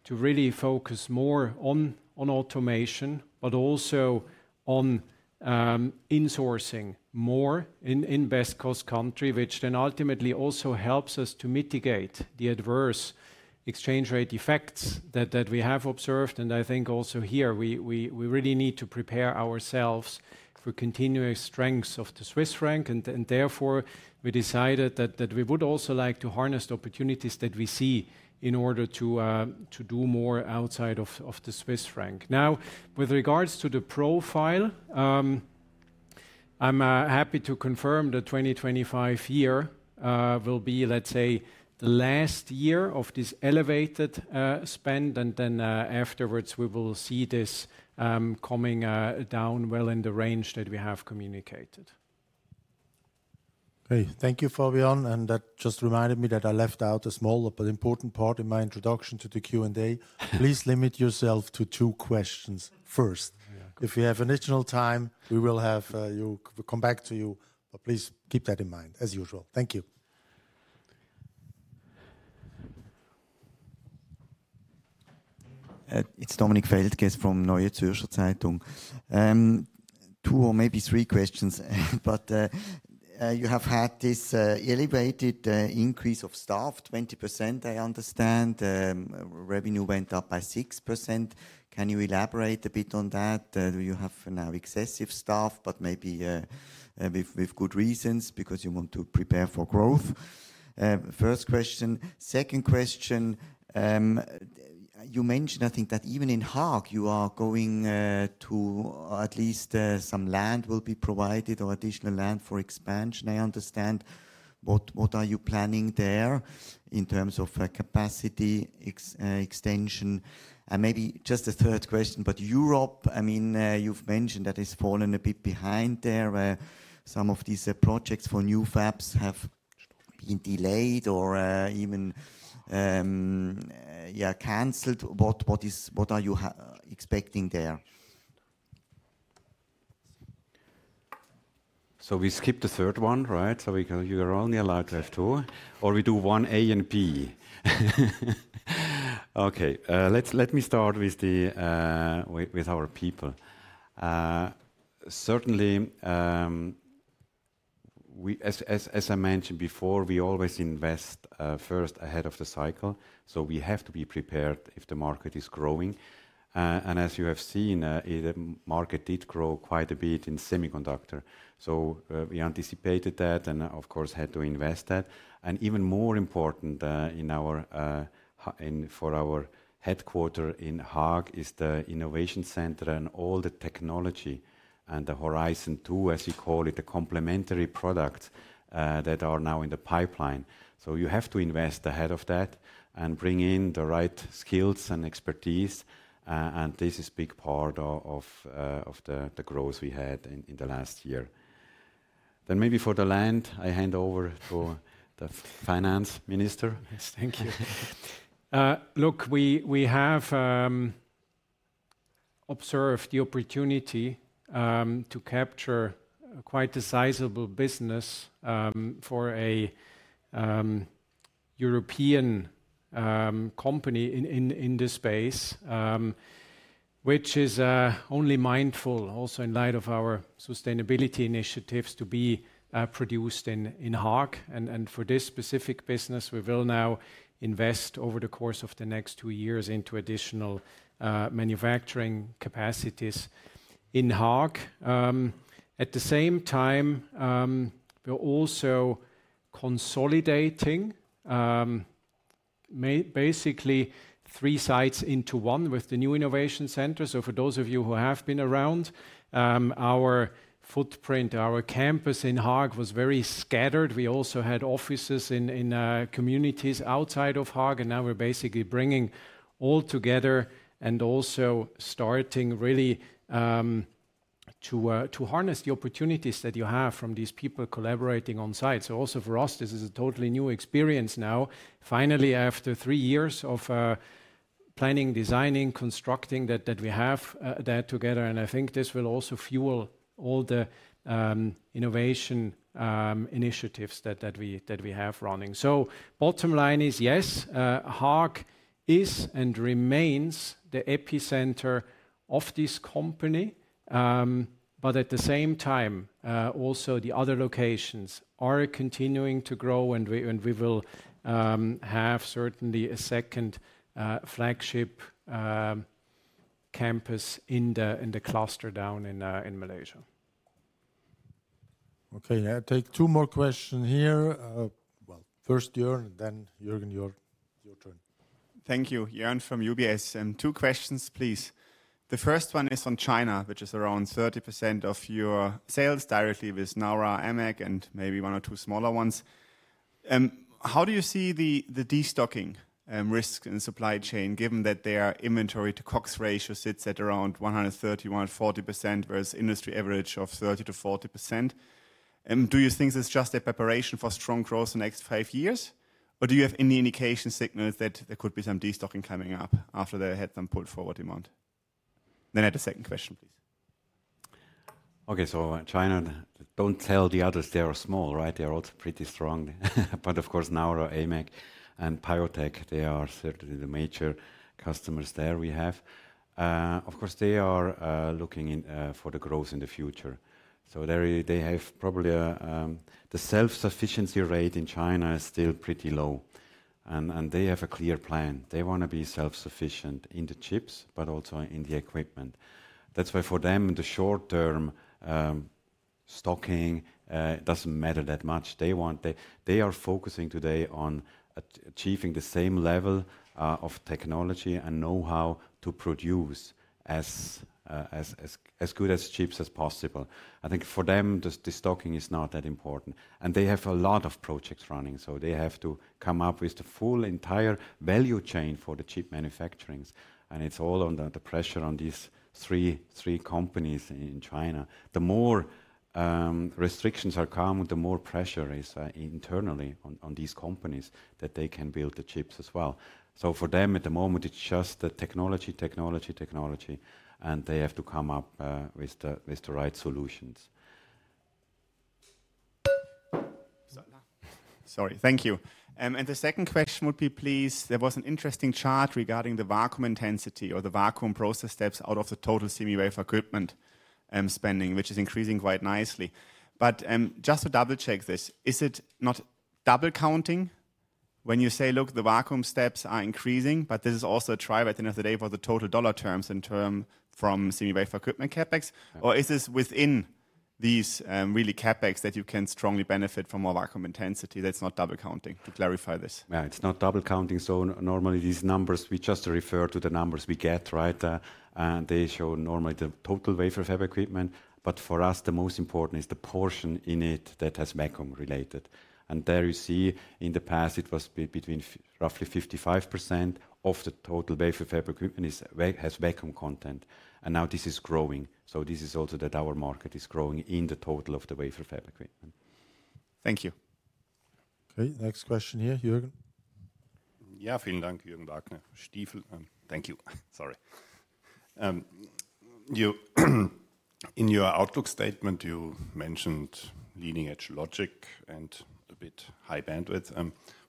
to really focus more on automation, but also on insourcing more in best cost country, which then ultimately also helps us to mitigate the adverse exchange rate effects that we have observed. And I think also here, we really need to prepare ourselves for continuing strengths of the Swiss franc, and therefore we decided that we would also like to harness the opportunities that we see in order to do more outside of the Swiss franc. Now, with regards to the profile, I'm happy to confirm the 2025 year will be, let's say, the last year of this elevated spend, and then afterwards, we will see this coming down well in the range that we have communicated. Okay, thank you, Fabian, and that just reminded me that I left out a small but important part in my introduction to the Q&A. Please limit yourself to two questions. First, if we have additional time, we will come back to you, but please keep that in mind as usual. Thank you. It's Dominik Feldges from Neue Zürcher Zeitung. Two or maybe three questions, but you have had this elevated increase of staff, 20%, I understand. Revenue went up by 6%. Can you elaborate a bit on that? Do you have now excessive staff, but maybe with good reasons because you want to prepare for growth? First question. Second question, you mentioned, I think, that even in Haag, you are going to at least some land will be provided or additional land for expansion. I understand. What are you planning there in terms of capacity extension? And maybe just a third question, but Europe, I mean, you've mentioned that it's fallen a bit behind there. Some of these projects for new fabs have been delayed or even, yeah, canceled. What are you expecting there? We skip the third one, right? You're only allowed to have two, or we do 1A and B. Okay, let me start with our people. Certainly, as I mentioned before, we always invest first ahead of the cycle. We have to be prepared if the market is growing. As you have seen, the market did grow quite a bit in semiconductor. We anticipated that and, of course, had to invest that. Even more important for our headquarters in Haag is the innovation center and all the technology and the Horizon 2, as we call it, the complementary products that are now in the pipeline. You have to invest ahead of that and bring in the right skills and expertise. This is a big part of the growth we had in the last year. Maybe for the latter, I hand over to the finance minister. Thank you. Look, we have observed the opportunity to capture quite a sizable business for a European company in this space, which is only mindful also in light of our sustainability initiatives to be produced in Haag. And for this specific business, we will now invest over the course of the next two years into additional manufacturing capacities in Haag. At the same time, we're also consolidating basically three sites into one with the new innovation center. For those of you who have been around, our footprint, our campus in Haag was very scattered. We also had offices in communities outside of Haag, and now we're basically bringing all together and also starting really to harness the opportunities that you have from these people collaborating on site. So also for us, this is a totally new experience now, finally, after three years of planning, designing, constructing that we have that together. And I think this will also fuel all the innovation initiatives that we have running. So bottom line is, yes, Haag is and remains the epicenter of this company. But at the same time, also the other locations are continuing to grow, and we will have certainly a second flagship campus in the cluster down in Malaysia. Okay, take two more questions here. Well, first, Joern, and then Joern, your turn. Thank you. Joern from UBS. Two questions, please. The first one is on China, which is around 30% of your sales directly with Naura, AMEC, and maybe one or two smaller ones. How do you see the destocking risks in supply chain, given that their inventory to COGS ratio sits at around 130%-140% versus industry average of 30%-40%? Do you think this is just a preparation for strong growth in the next five years, or do you have any indication signals that there could be some destocking coming up after they had some pull forward demand? Then I had a second question, please. Okay, so China, don't tell the others they are small, right? They are also pretty strong. But of course, Naura, AMEC, and Piotech, they are certainly the major customers there we have. Of course, they are looking for the growth in the future. So they have probably the self-sufficiency rate in China is still pretty low. And they have a clear plan. They want to be self-sufficient in the chips, but also in the equipment. That's why for them, in the short term, stocking doesn't matter that much. They are focusing today on achieving the same level of technology and know-how to produce as good as chips as possible. I think for them, the stocking is not that important. And they have a lot of projects running, so they have to come up with the full entire value chain for the chip manufacturing. And it's all under the pressure on these three companies in China. The more restrictions are coming, the more pressure is internally on these companies that they can build the chips as well. So for them, at the moment, it's just the technology, technology, technology, and they have to come up with the right solutions. Sorry, thank you. And the second question would be, please, there was an interesting chart regarding the vacuum intensity or the vacuum process steps out of the total semi wafer equipment spending, which is increasing quite nicely. But just to double-check this, is it not double-counting when you say, look, the vacuum steps are increasing, but this is also a driver at the end of the day for the total dollar terms in terms of semi wafer equipment CapEx, or is this within the real CapEx that you can strongly benefit from more vacuum intensity? That's not double-counting to clarify this. It's not double-counting. So normally, these numbers, we just refer to the numbers we get, right? And they show normally the total wafer fab equipment. But for us, the most important is the portion in it that has vacuum related. And there you see in the past, it was between roughly 55% of the total wafer fab equipment has vacuum content. And now this is growing. So this is also that our market is growing in the total of the wafer fab equipment. Thank you. Okay, next question here, Jürgen. Yeah, vielen Dank, Jürgen Wagner, Stifel. Thank you. Sorry. In your outlook statement, you mentioned leading-edge logic and a bit high bandwidth.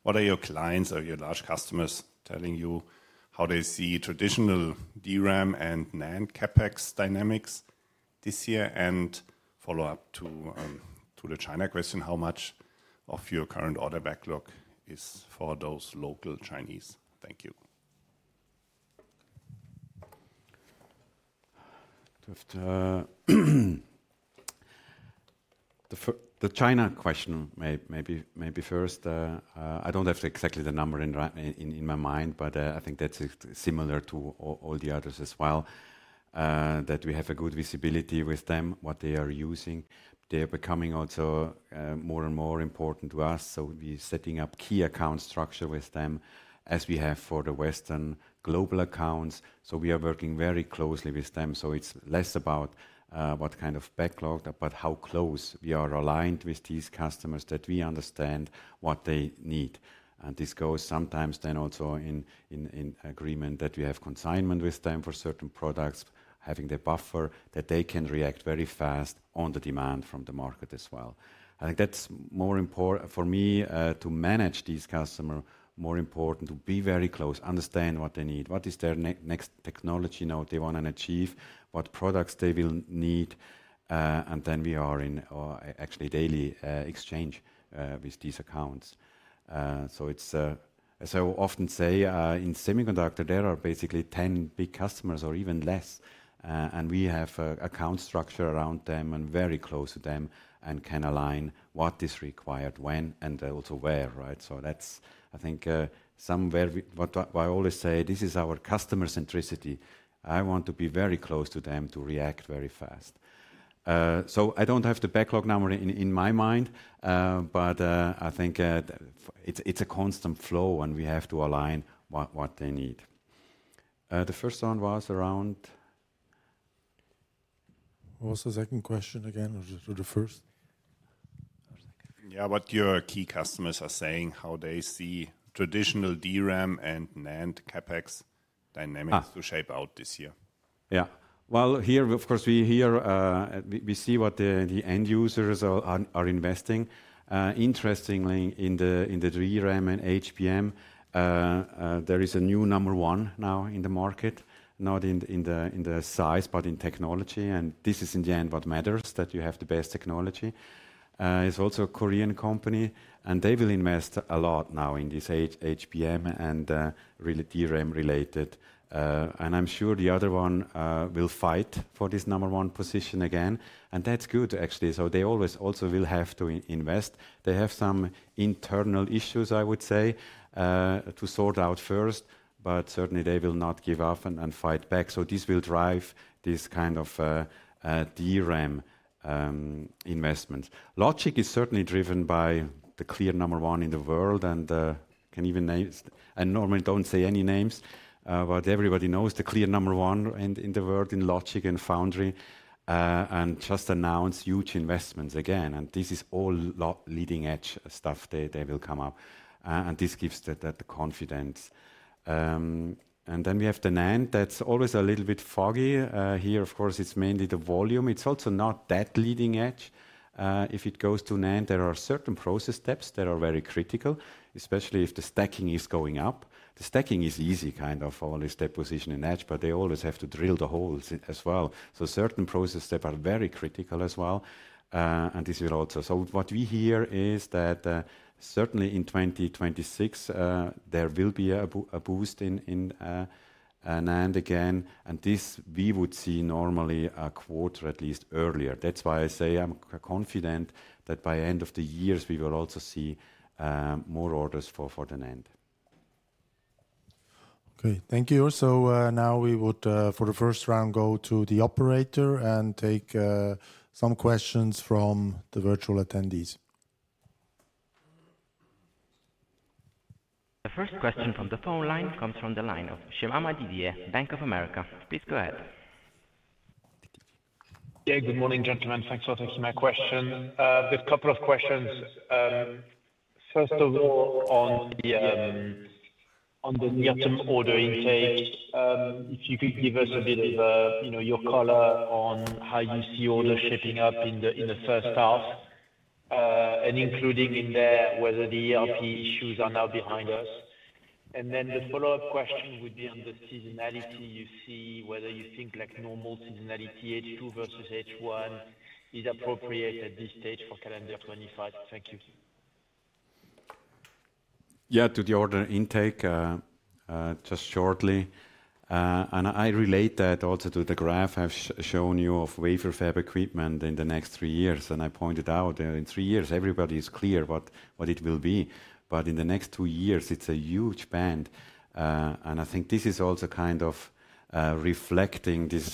What are your clients or your large customers telling you how they see traditional DRAM and NAND CapEx dynamics this year? And follow up to the China question, how much of your current order backlog is for those local Chinese? Thank you. The China question, maybe first. I don't have exactly the number in my mind, but I think that's similar to all the others as well, that we have a good visibility with them, what they are using. They are becoming also more and more important to us. So we're setting up key account structure with them as we have for the Western global accounts. So we are working very closely with them. So it's less about what kind of backlog, but how close we are aligned with these customers that we understand what they need. And this goes sometimes then also in agreement that we have consignment with them for certain products, having the buffer that they can react very fast on the demand from the market as well. I think that's more important for me to manage these customers, more important to be very close, understand what they need, what is their next technology node they want to achieve, what products they will need. And then we are in actual daily exchange with these accounts. So it's as I often say, in semiconductor, there are basically 10 big customers or even less. And we have account structure around them and very close to them and can align what is required when and also where, right? So that's, I think, somewhere I always say this is our customer centricity. I want to be very close to them to react very fast. So I don't have the backlog number in my mind, but I think it's a constant flow and we have to align what they need. The first one was around. What was the second question again or the first? Yeah, what your key customers are saying, how they see traditional DRAM and NAND CapEx dynamics to shape out this year. Yeah, well, here, of course, we see what the end users are investing. Interestingly, in the DRAM and HBM, there is a new number one now in the market, not in the size, but in technology, and this is in the end what matters, that you have the best technology. It's also a Korean company, and they will invest a lot now in this HBM and really DRAM related, and I'm sure the other one will fight for this number one position again, and that's good, actually, so they always also will have to invest. They have some internal issues, I would say, to sort out first, but certainly they will not give up and fight back. So this will drive this kind of DRAM investments. Logic is certainly driven by the clear number one in the world and can't even name, and normally don't say any names, but everybody knows the clear number one in the world in logic and foundry and just announced huge investments again. And this is all leading-edge stuff they will come up. And this gives the confidence. And then we have the NAND that's always a little bit foggy here. Of course, it's mainly the volume. It's also not that leading edge. If it goes to NAND, there are certain process steps that are very critical, especially if the stacking is going up. The stacking is easy kind of all this deposition and etch, but they always have to drill the holes as well. So certain process steps are very critical as well. And this will also, so what we hear is that certainly in 2026, there will be a boost in NAND again. And this we would see normally a quarter at least earlier. That's why I say I'm confident that by the end of the years, we will also see more orders for the NAND. Okay, thank you also. Now we would, for the first round, go to the operator and take some questions from the virtual attendees. The first question from the phone line comes from the line of Scemama Didier, Bank of America. Please go ahead. Yeah, good morning, gentlemen. Thanks for taking my question. There's a couple of questions. First of all, on the near-term order intake, if you could give us a bit of your color on how you see order shaping up in the first half and including in there whether the ERP issues are now behind us? And then the follow-up question would be on the seasonality you see, whether you think normal seasonality, H2 versus H1, is appropriate at this stage for calendar 2025. Thank you. Yeah, to the order intake, just shortly. I relate that also to the graph I've shown you of wafer fab equipment in the next three years. I pointed out that in three years, everybody is clear what it will be. In the next two years, it's a huge band. I think this is also kind of reflecting this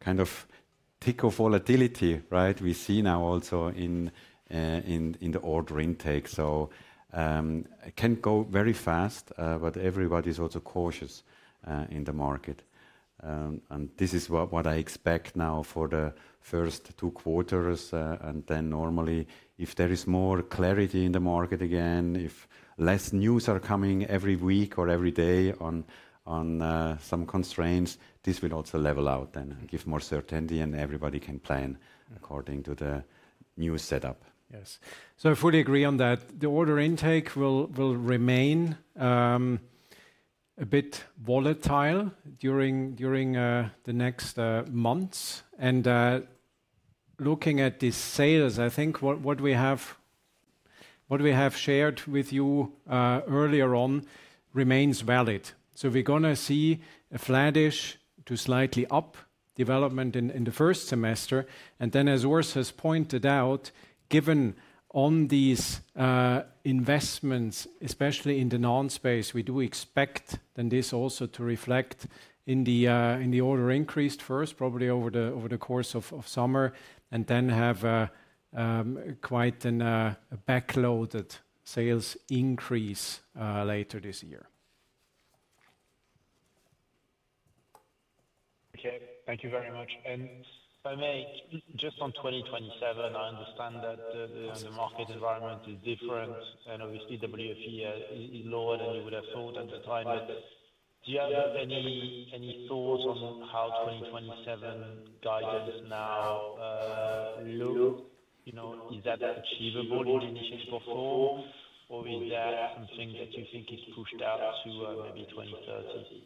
kind of bit of volatility, right? We see now also in the order intake. So it can go very fast, but everybody's also cautious in the market. And this is what I expect now for the first two quarters. And then normally, if there is more clarity in the market again, if less news are coming every week or every day on some constraints, this will also level out then and give more certainty and everybody can plan according to the new setup. Yes. So I fully agree on that. The order intake will remain a bit volatile during the next months. And looking at the sales, I think what we have shared with you earlier on remains valid. So we're going to see a flattish to slightly up development in the first semester. And then, as Urs has pointed out, given on these investments, especially in the non-semi space, we do expect then this also to reflect in the order increase first, probably over the course of summer, and then have quite a backloaded sales increase later this year. Okay, thank you very much. And if I may, just on 2027, I understand that the market environment is different and obviously WFE is lower than you would have thought at the time. But do you have any thoughts on how 2027 guidance now looks? Is that achievable in the initial portfolio or is that something that you think is pushed out to maybe 2030?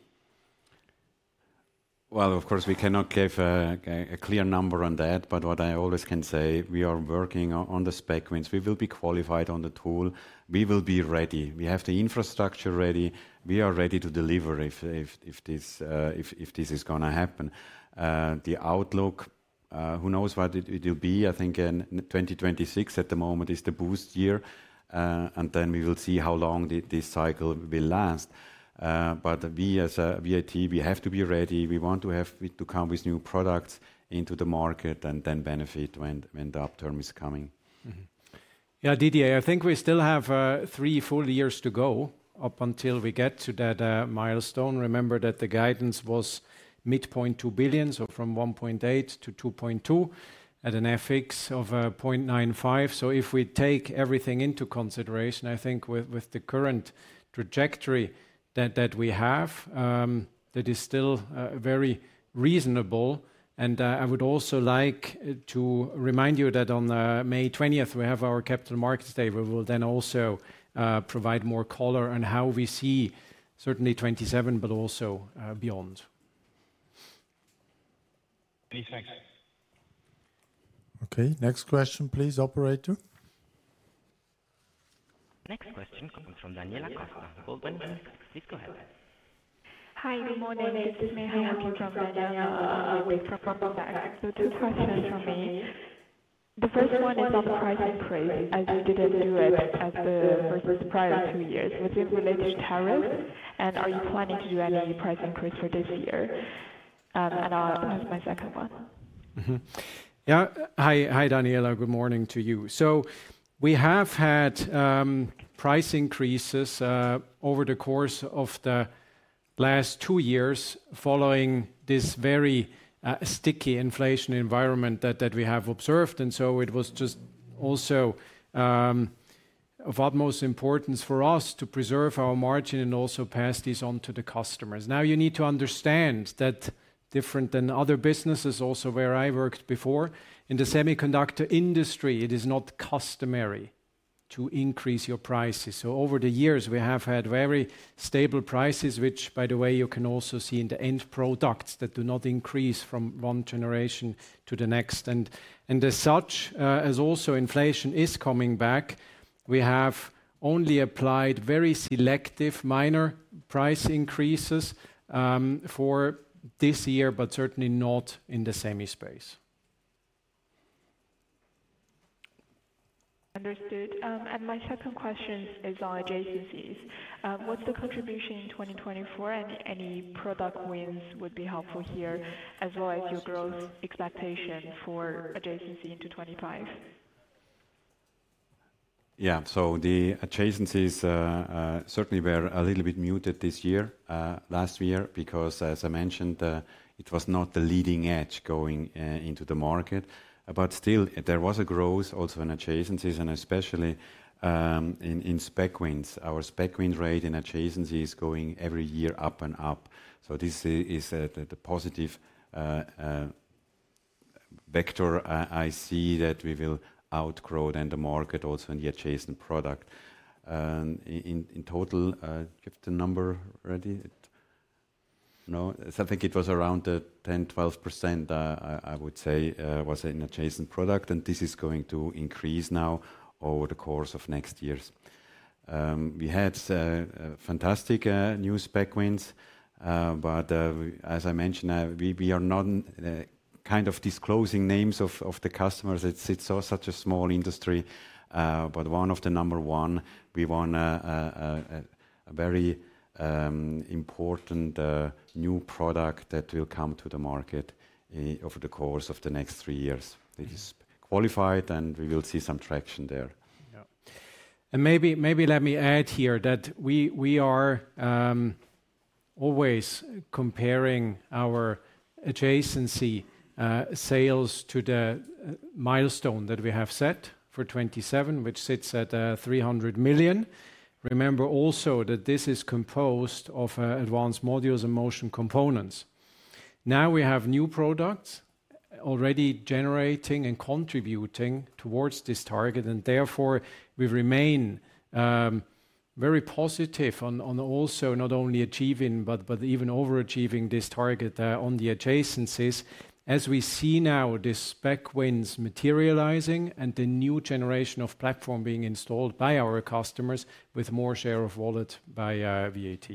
Well, of course, we cannot give a clear number on that, but what I always can say, we are working on the spec wins. We will be qualified on the tool. We will be ready. We have the infrastructure ready. We are ready to deliver if this is going to happen. The outlook, who knows what it will be? I think in 2026 at the moment is the boost year. And then we will see how long this cycle will last. But we as a VAT, we have to be ready. We want to have to come with new products into the market and then benefit when the upturn is coming. Yeah, Didier, I think we still have three, four years to go up until we get to that milestone. Remember that the guidance was midpoint 2 billion, so from 1.8 billion to 2.2 billion at an FX of 0.95. So if we take everything into consideration, I think with the current trajectory that we have, that is still very reasonable. And I would also like to remind you that on May 20th, we have our Capital Markets Day. We will then also provide more color on how we see certainly 27, but also beyond. Thanks. Okay, next question, please, operator. Next question comes from Daniela Kaufmann. Please go ahead. Hi, good morning. This is Mihai for Daniela Kaufmann from the bank. So two questions for me. The first one is on the price increase, as you didn't do it versus the prior two years. Was it related to tariffs? And are you planning to do any price increase for this year? And I'll ask my second one. Yeah, hi, Daniela. Good morning to you. So we have had price increases over the course of the last two years following this very sticky inflation environment that we have observed. And so it was just also of utmost importance for us to preserve our margin and also pass these on to the customers. Now, you need to understand that different than other businesses, also where I worked before, in the semiconductor industry, it is not customary to increase your prices. So over the years, we have had very stable prices, which, by the way, you can also see in the end products that do not increase from one generation to the next, and as such, as also inflation is coming back, we have only applied very selective minor price increases for this year, but certainly not in the semi space. Understood. And my second question is on adjacencies. What's the contribution in 2024, and any product wins would be helpful here, as well as your growth expectation for adjacency into 2025? Yeah, so the adjacencies certainly were a little bit muted this year, last year, because, as I mentioned, it was not the leading edge going into the market. But still, there was a growth also in adjacencies, and especially in spec wins. Our spec win rate in adjacency is going every year up and up. So this is the positive vector I see that we will outgrow then the market also in the adjacent product. In total, you have the number ready? No, I think it was around 10%-12%, I would say, was in adjacent product. And this is going to increase now over the course of next years. We had fantastic new spec wins. But as I mentioned, we are not kind of disclosing names of the customers. It's such a small industry. But one of the number one, we won a very important new product that will come to the market over the course of the next three years. It is qualified, and we will see some traction there. And maybe let me add here that we are always comparing our adjacency sales to the milestone that we have set for 27, which sits at 300 million. Remember also that this is composed of Advanced Modules and Motion Components. Now we have new products already generating and contributing towards this target. And therefore, we remain very positive on also not only achieving, but even overachieving this target on the adjacencies as we see now this spec wins materializing and the new generation of platform being installed by our customers with more share of wallet by VAT.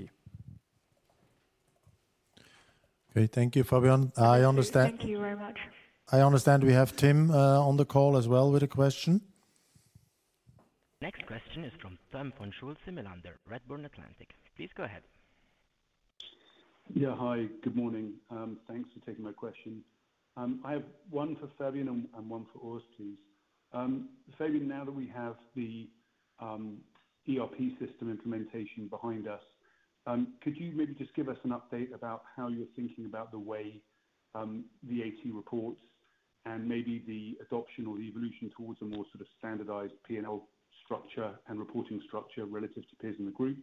Okay, thank you, Fabian. I understand. Thank you very much. I understand we have Tim on the call as well with a question. Next question is from Timm Schulze-Melander, Redburn Atlantic. Please go ahead. Yeah, hi, good morning. Thanks for taking my question. I have one for Fabian and one for Urs, please. Fabian, now that we have the ERP system implementation behind us, could you maybe just give us an update about how you're thinking about the way the VAT reports and maybe the adoption or the evolution towards a more sort of standardized P&L structure and reporting structure relative to peers in the group?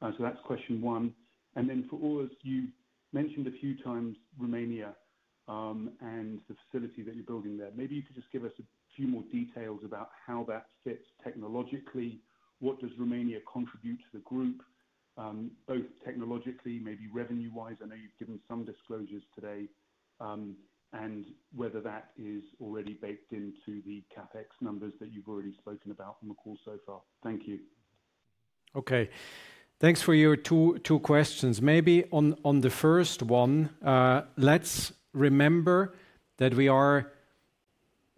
So that's question one. And then for Urs, you mentioned a few times Romania and the facility that you're building there. Maybe you could just give us a few more details about how that fits technologically. What does Romania contribute to the group, both technologically, maybe revenue-wise? I know you've given some disclosures today and whether that is already baked into the CapEx numbers that you've already spoken about on the call so far. Thank you. Okay, thanks for your two questions. Maybe on the first one, let's remember that we are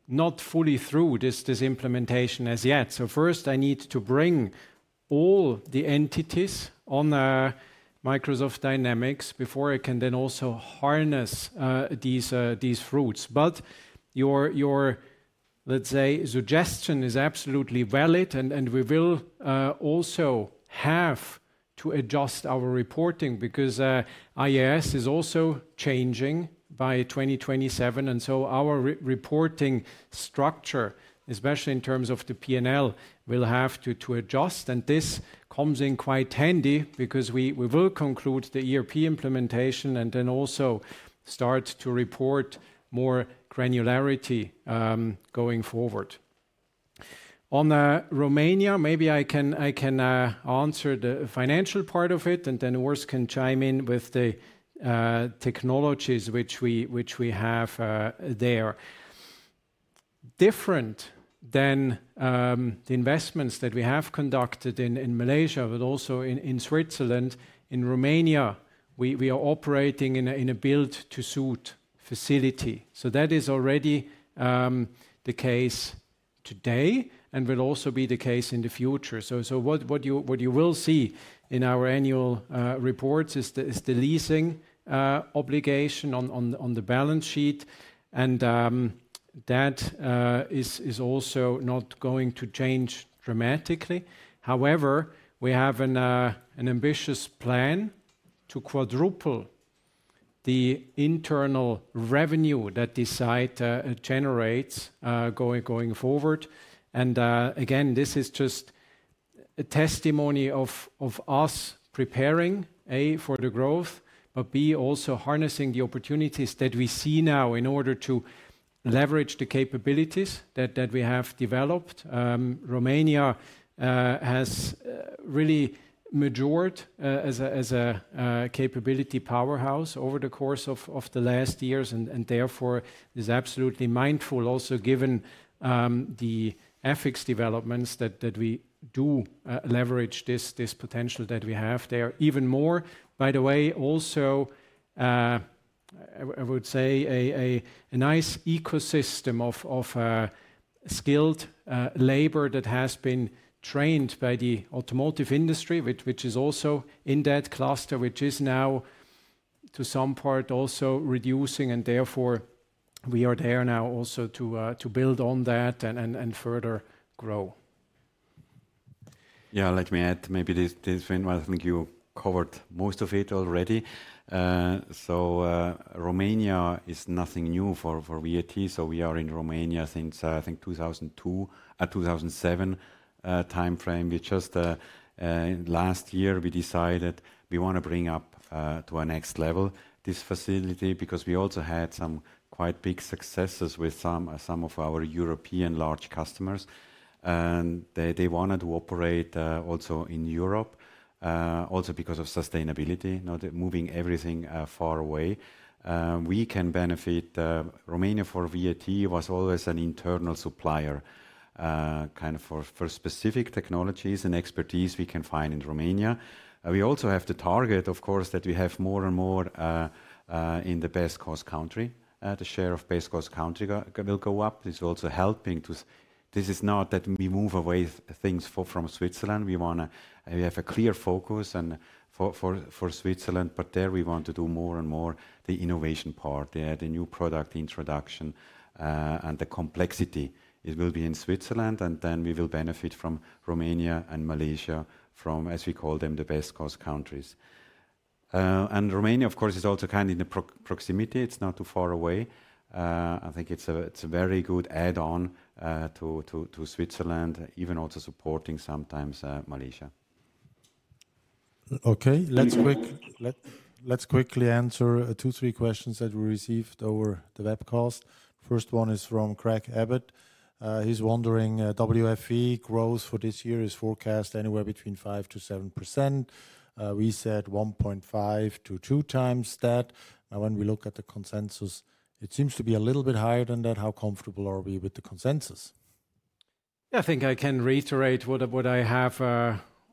not fully through this implementation as yet. So first, I need to bring all the entities on Microsoft Dynamics before I can then also harness these fruits. But your, let's say, suggestion is absolutely valid, and we will also have to adjust our reporting because IAS is also changing by 2027. And so our reporting structure, especially in terms of the P&L, will have to adjust. And this comes in quite handy because we will conclude the ERP implementation and then also start to report more granularity going forward. On Romania, maybe I can answer the financial part of it, and then Urs can chime in with the technologies which we have there. Different than the investments that we have conducted in Malaysia, but also in Switzerland, in Romania, we are operating in a built-to-suit facility. That is already the case today and will also be the case in the future. What you will see in our annual reports is the leasing obligation on the balance sheet. And that is also not going to change dramatically. However, we have an ambitious plan to quadruple the internal revenue that this site generates going forward. And again, this is just a testimony of us preparing, A, for the growth, but B, also harnessing the opportunities that we see now in order to leverage the capabilities that we have developed. Romania has really matured as a capability powerhouse over the course of the last years, and therefore is absolutely mindful, also given the geopolitical developments, that we do leverage this potential that we have there even more. By the way, also I would say a nice ecosystem of skilled labor that has been trained by the automotive industry, which is also in that cluster, which is now to some part also reducing, and therefore we are there now also to build on that and further grow. Yeah, let me add maybe this one. I think you covered most of it already. So Romania is nothing new for VAT. So we are in Romania since, I think, 2002, 2007 timeframe. Just last year, we decided we want to bring up to our next level this facility because we also had some quite big successes with some of our European large customers. And they wanted to operate also in Europe, also because of sustainability, not moving everything far away. We can benefit. Romania for VAT was always an internal supplier kind of for specific technologies and expertise we can find in Romania. We also have the target, of course, that we have more and more in the best cost country. The share of best cost country will go up. This is also helping to this is not that we move away things from Switzerland. We have a clear focus for Switzerland, but there we want to do more and more the innovation part there, the new product introduction and the complexity. It will be in Switzerland, and then we will benefit from Romania and Malaysia from, as we call them, the best cost countries. And Romania, of course, is also kind of in the proximity. It's not too far away. I think it's a very good add-on to Switzerland, even also supporting sometimes Malaysia. Okay, let's quickly answer two, three questions that we received over the webcast. First one is from Craig Abbott. He's wondering, WFE growth for this year is forecast anywhere between 5%-7%. We said 1.5x to 2x that. When we look at the consensus, it seems to be a little bit higher than that. How comfortable are we with the consensus? I think I can reiterate what I have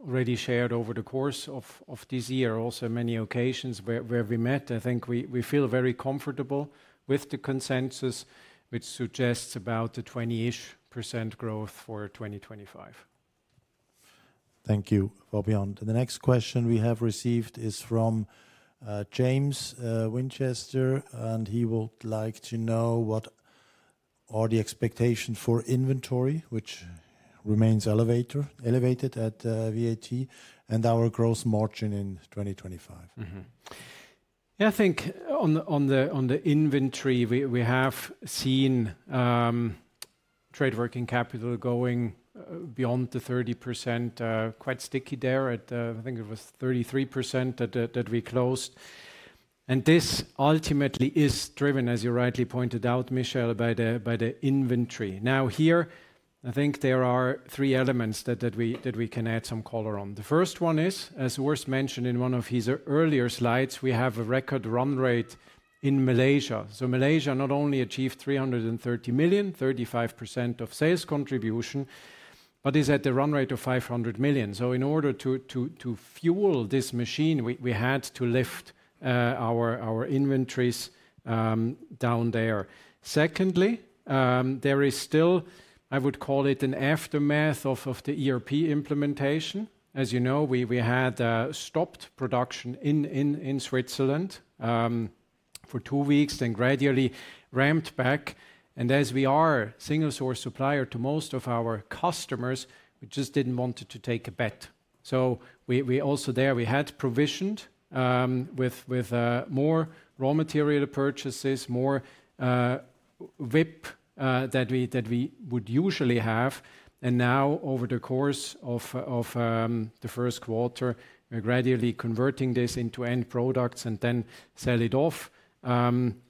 already shared over the course of this year, also many occasions where we met. I think we feel very comfortable with the consensus, which suggests about the 20-ish% growth for 2025. Thank you, Fabian. The next question we have received is from James Winchester, and he would like to know what are the expectations for inventory, which remains elevated at VAT, and our gross margin in 2025. Yeah, I think on the inventory, we have seen trade working capital going beyond the 30%, quite sticky there at, I think it was 33% that we closed, and this ultimately is driven, as you rightly pointed out, Michel, by the inventory. Now here, I think there are three elements that we can add some color on. The first one is, as Urs mentioned in one of his earlier slides, we have a record run rate in Malaysia, so Malaysia not only achieved 330 million, 35% of sales contribution, but is at the run rate of 500 million, so in order to fuel this machine, we had to lift our inventories down there. Secondly, there is still, I would call it an aftermath of the ERP implementation. As you know, we had stopped production in Switzerland for two weeks, then gradually ramped back. And as we are a single source supplier to most of our customers, we just didn't want to take a bet. So also there, we had provisioned with more raw material purchases, more WIP that we would usually have. And now, over the course of the first quarter, we're gradually converting this into end products and then sell it off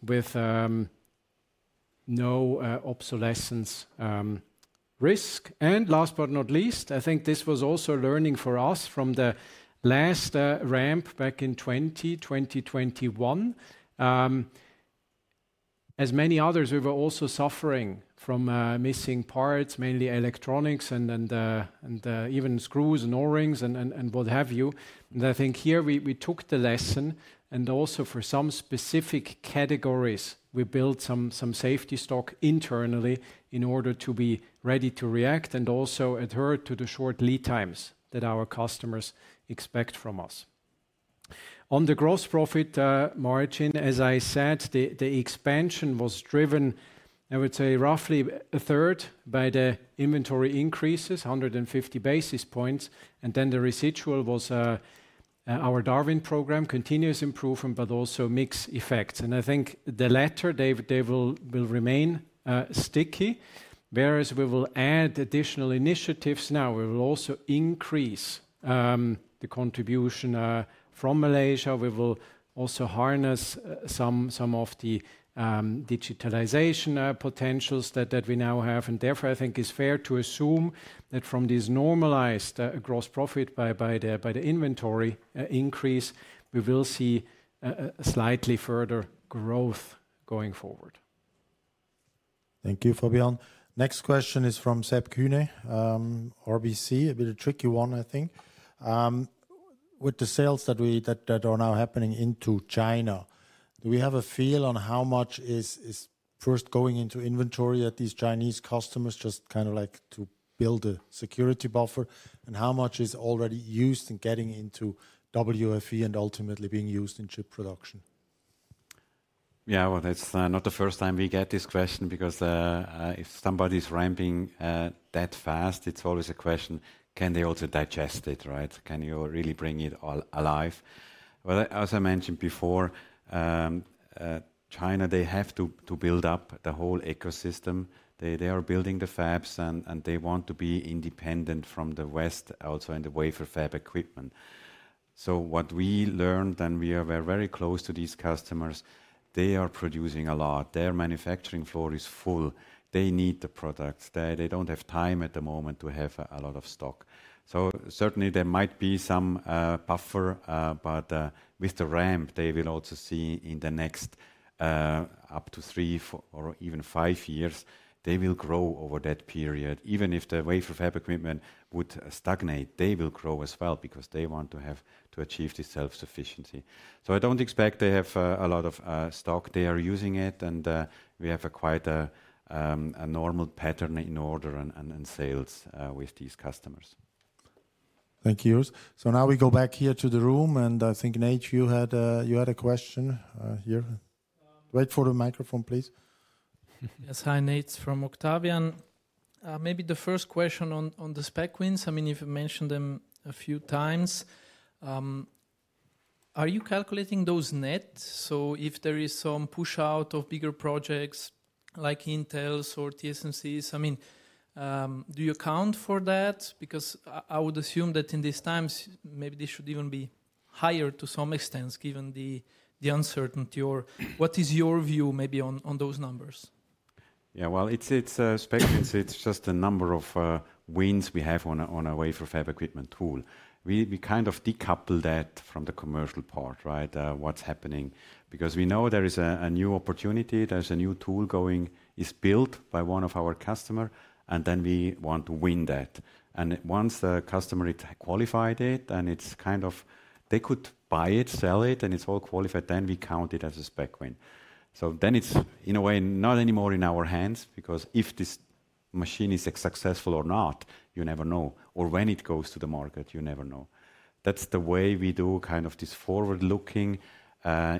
with no obsolescence risk. And last but not least, I think this was also a learning for us from the last ramp back in 2021. As many others, we were also suffering from missing parts, mainly electronics and even screws and O-rings and what have you. And I think here we took the lesson and also for some specific categories, we built some safety stock internally in order to be ready to react and also adhere to the short lead times that our customers expect from us. On the gross profit margin, as I said, the expansion was driven, I would say, roughly a third by the inventory increases, 150 basis points, and then the residual was our Darwin program, continuous improvement, but also mixed effects, and I think the latter, they will remain sticky, whereas we will add additional initiatives. Now we will also increase the contribution from Malaysia. We will also harness some of the digitalization potentials that we now have, and therefore, I think it's fair to assume that from this normalized gross profit by the inventory increase, we will see a slightly further growth going forward. Thank you, Fabian. Next question is from Seb Kuenne, RBC, a bit of a tricky one, I think. With the sales that are now happening into China, do we have a feel on how much is first going into inventory at these Chinese customers, just kind of like to build a security buffer, and how much is already used and getting into WFE and ultimately being used in chip production? Yeah, well, that's not the first time we get this question because if somebody's ramping that fast, it's always a question, can they also digest it, right? Can you really bring it alive? As I mentioned before, China, they have to build up the whole ecosystem. They are building the fabs and they want to be independent from the West also in the wafer fab equipment. So what we learned and we are very close to these customers, they are producing a lot. Their manufacturing floor is full. They need the products. They don't have time at the moment to have a lot of stock. So certainly there might be some buffer, but with the ramp, they will also see in the next up to three or even five years, they will grow over that period. Even if the wafer fab equipment would stagnate, they will grow as well because they want to achieve this self-sufficiency. So I don't expect they have a lot of stock. They are using it and we have quite a normal pattern in order and sales with these customers. Thank you, Urs. So now we go back here to the room and I think Nate, you had a question here. Wait for the microphone, please. Yes, hi Nate from Octavian. Maybe the first question on the spec wins, I mean, you've mentioned them a few times. Are you calculating those nets? So if there is some push out of bigger projects like Intel's or TSMC's, I mean, do you account for that? Because I would assume that in these times, maybe they should even be higher to some extent given the uncertainty. Or what is your view maybe on those numbers? Yeah, well, it's spec wins. It's just a number of wins we have on our wafer fab equipment tool. We kind of decouple that from the commercial part, right? What's happening? Because we know there is a new opportunity. There's a new tool going, is built by one of our customers, and then we want to win that. And once the customer qualified it, then it's kind of, they could buy it, sell it, and it's all qualified. Then we count it as a spec win. So then it's, in a way, not anymore in our hands because if this machine is successful or not, you never know. Or when it goes to the market, you never know. That's the way we do kind of this forward-looking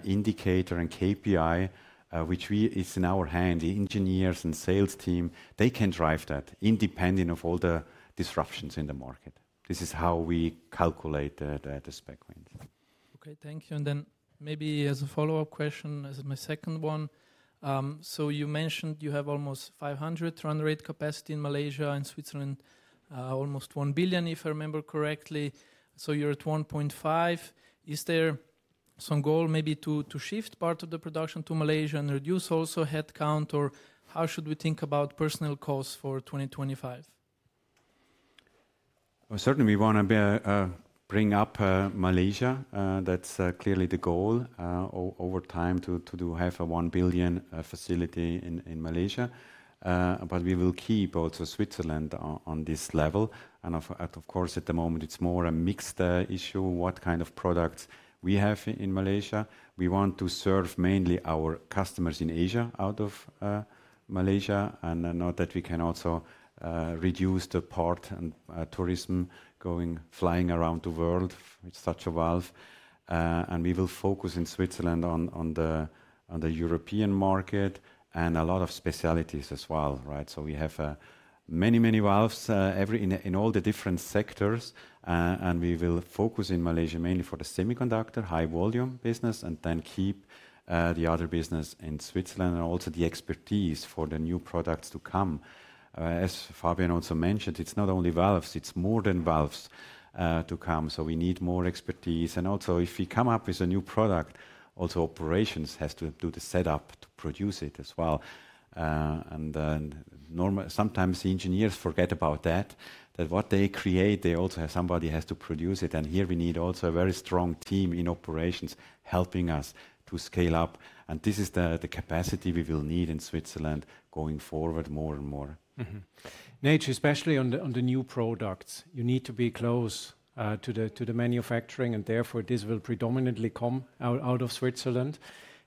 indicator and KPI, which is in our hand. The engineers and sales team, they can drive that independent of all the disruptions in the market. This is how we calculate the spec wins. Okay, thank you. And then maybe as a follow-up question, as my second one, so you mentioned you have almost 500 million run rate capacity in Malaysia and Switzerland, almost 1 billion, if I remember correctly. So you're at 1.5 billion. Is there some goal maybe to shift part of the production to Malaysia and reduce also headcount, or how should we think about personnel costs for 2025? Certainly, we want to bring up Malaysia. That's clearly the goal over time to have a 1 billion facility in Malaysia, but we will keep also Switzerland on this level. And of course, at the moment, it's more a mixed issue what kind of products we have in Malaysia. We want to serve mainly our customers in Asia out of Malaysia. And I know that we can also reduce the parts and transportation going, flying around the world with such a valve. And we will focus in Switzerland on the European market and a lot of specialties as well, right? We have many, many valves in all the different sectors. And we will focus in Malaysia mainly for the semiconductor high volume business and then keep the other business in Switzerland and also the expertise for the new products to come. As Fabian also mentioned, it's not only valves, it's more than valves to come. So we need more expertise. And also, if we come up with a new product, also operations has to do the setup to produce it as well. And sometimes engineers forget about that, that what they create, they also have somebody has to produce it. And here we need also a very strong team in operations helping us to scale up. And this is the capacity we will need in Switzerland going forward more and more. Nate, especially on the new products, you need to be close to the manufacturing and therefore this will predominantly come out of Switzerland.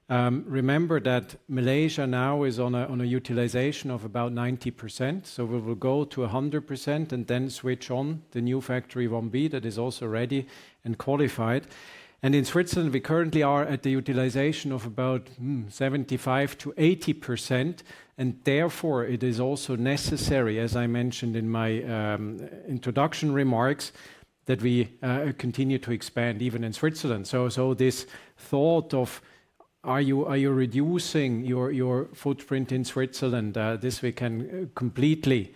Remember that Malaysia now is on a utilization of about 90%. So we will go to 100% and then switch on the new factory 1B that is also ready and qualified. And in Switzerland, we currently are at the utilization of about 75%-80%. And therefore, it is also necessary, as I mentioned in my introduction remarks, that we continue to expand even in Switzerland. So this thought of, are you reducing your footprint in Switzerland? This we can completely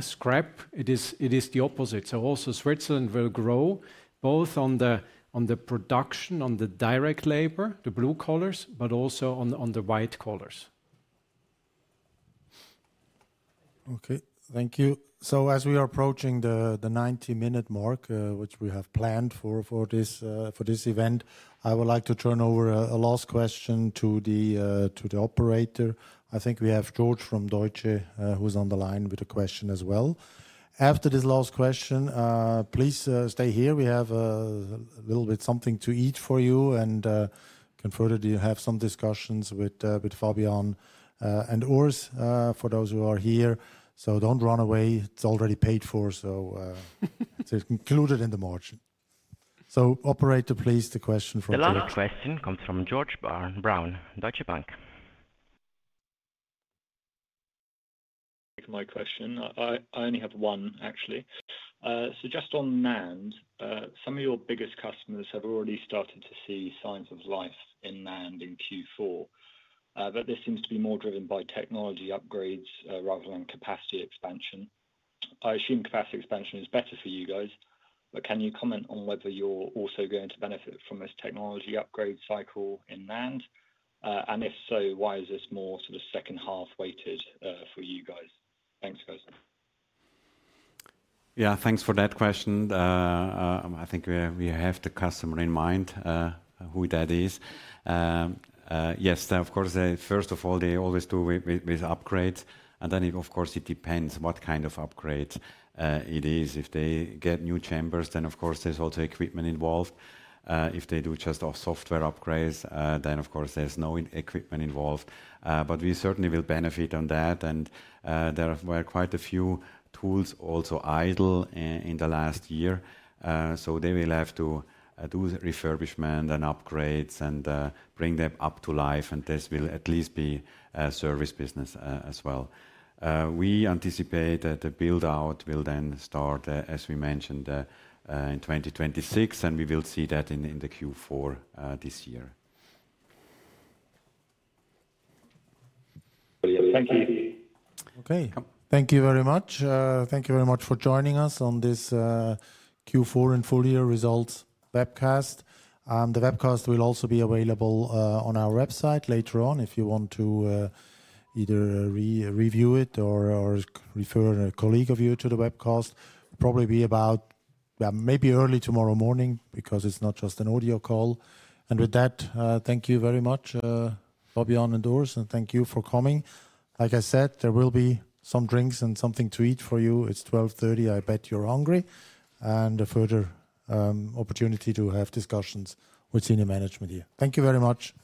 scrap. It is the opposite. So also Switzerland will grow both on the production, on the direct labor, the blue collars, but also on the white collars. Okay, thank you. So as we are approaching the 90-minute mark, which we have planned for this event, I would like to turn over a last question to the operator. I think we have George from Deutsche Bank, who's on the line with a question as well. After this last question, please stay here. We have a little bit something to eat for you and can further have some discussions with Fabian and Urs for those who are here. So don't run away. It's already paid for. So it's included in the margin. So operator, please, the question from. Another question comes from George Brown, Deutsche Bank. My question. I only have one, actually. So just on China, some of your biggest customers have already started to see signs of life in China in Q4. But this seems to be more driven by technology upgrades rather than capacity expansion. I assume capacity expansion is better for you guys. But can you comment on whether you're also going to benefit from this technology upgrade cycle in China? And if so, why is this more sort of second half weighted for you guys? Thanks, guys. Yeah, thanks for that question. I think we have the customer in mind, who that is. Yes, of course, first of all, they always do with upgrades. And then, of course, it depends what kind of upgrade it is. If they get new chambers, then, of course, there's also equipment involved. If they do just software upgrades, then, of course, there's no equipment involved. But we certainly will benefit on that. And there were quite a few tools also idle in the last year. So they will have to do refurbishment and upgrades and bring them up to life. And this will at least be a service business as well. We anticipate that the build-out will then start, as we mentioned, in 2026. And we will see that in the Q4 this year. Thank you. Okay, thank you very much. Thank you very much for joining us on this Q4 and full year results webcast. The webcast will also be available on our website later on if you want to either review it or refer a colleague of you to the webcast. Probably be about maybe early tomorrow morning because it's not just an audio call. And with that, thank you very much, Fabian and Urs. And thank you for coming. Like I said, there will be some drinks and something to eat for you. It's 12:30 P.M. I bet you're hungry. And a further opportunity to have discussions with senior management here. Thank you very much.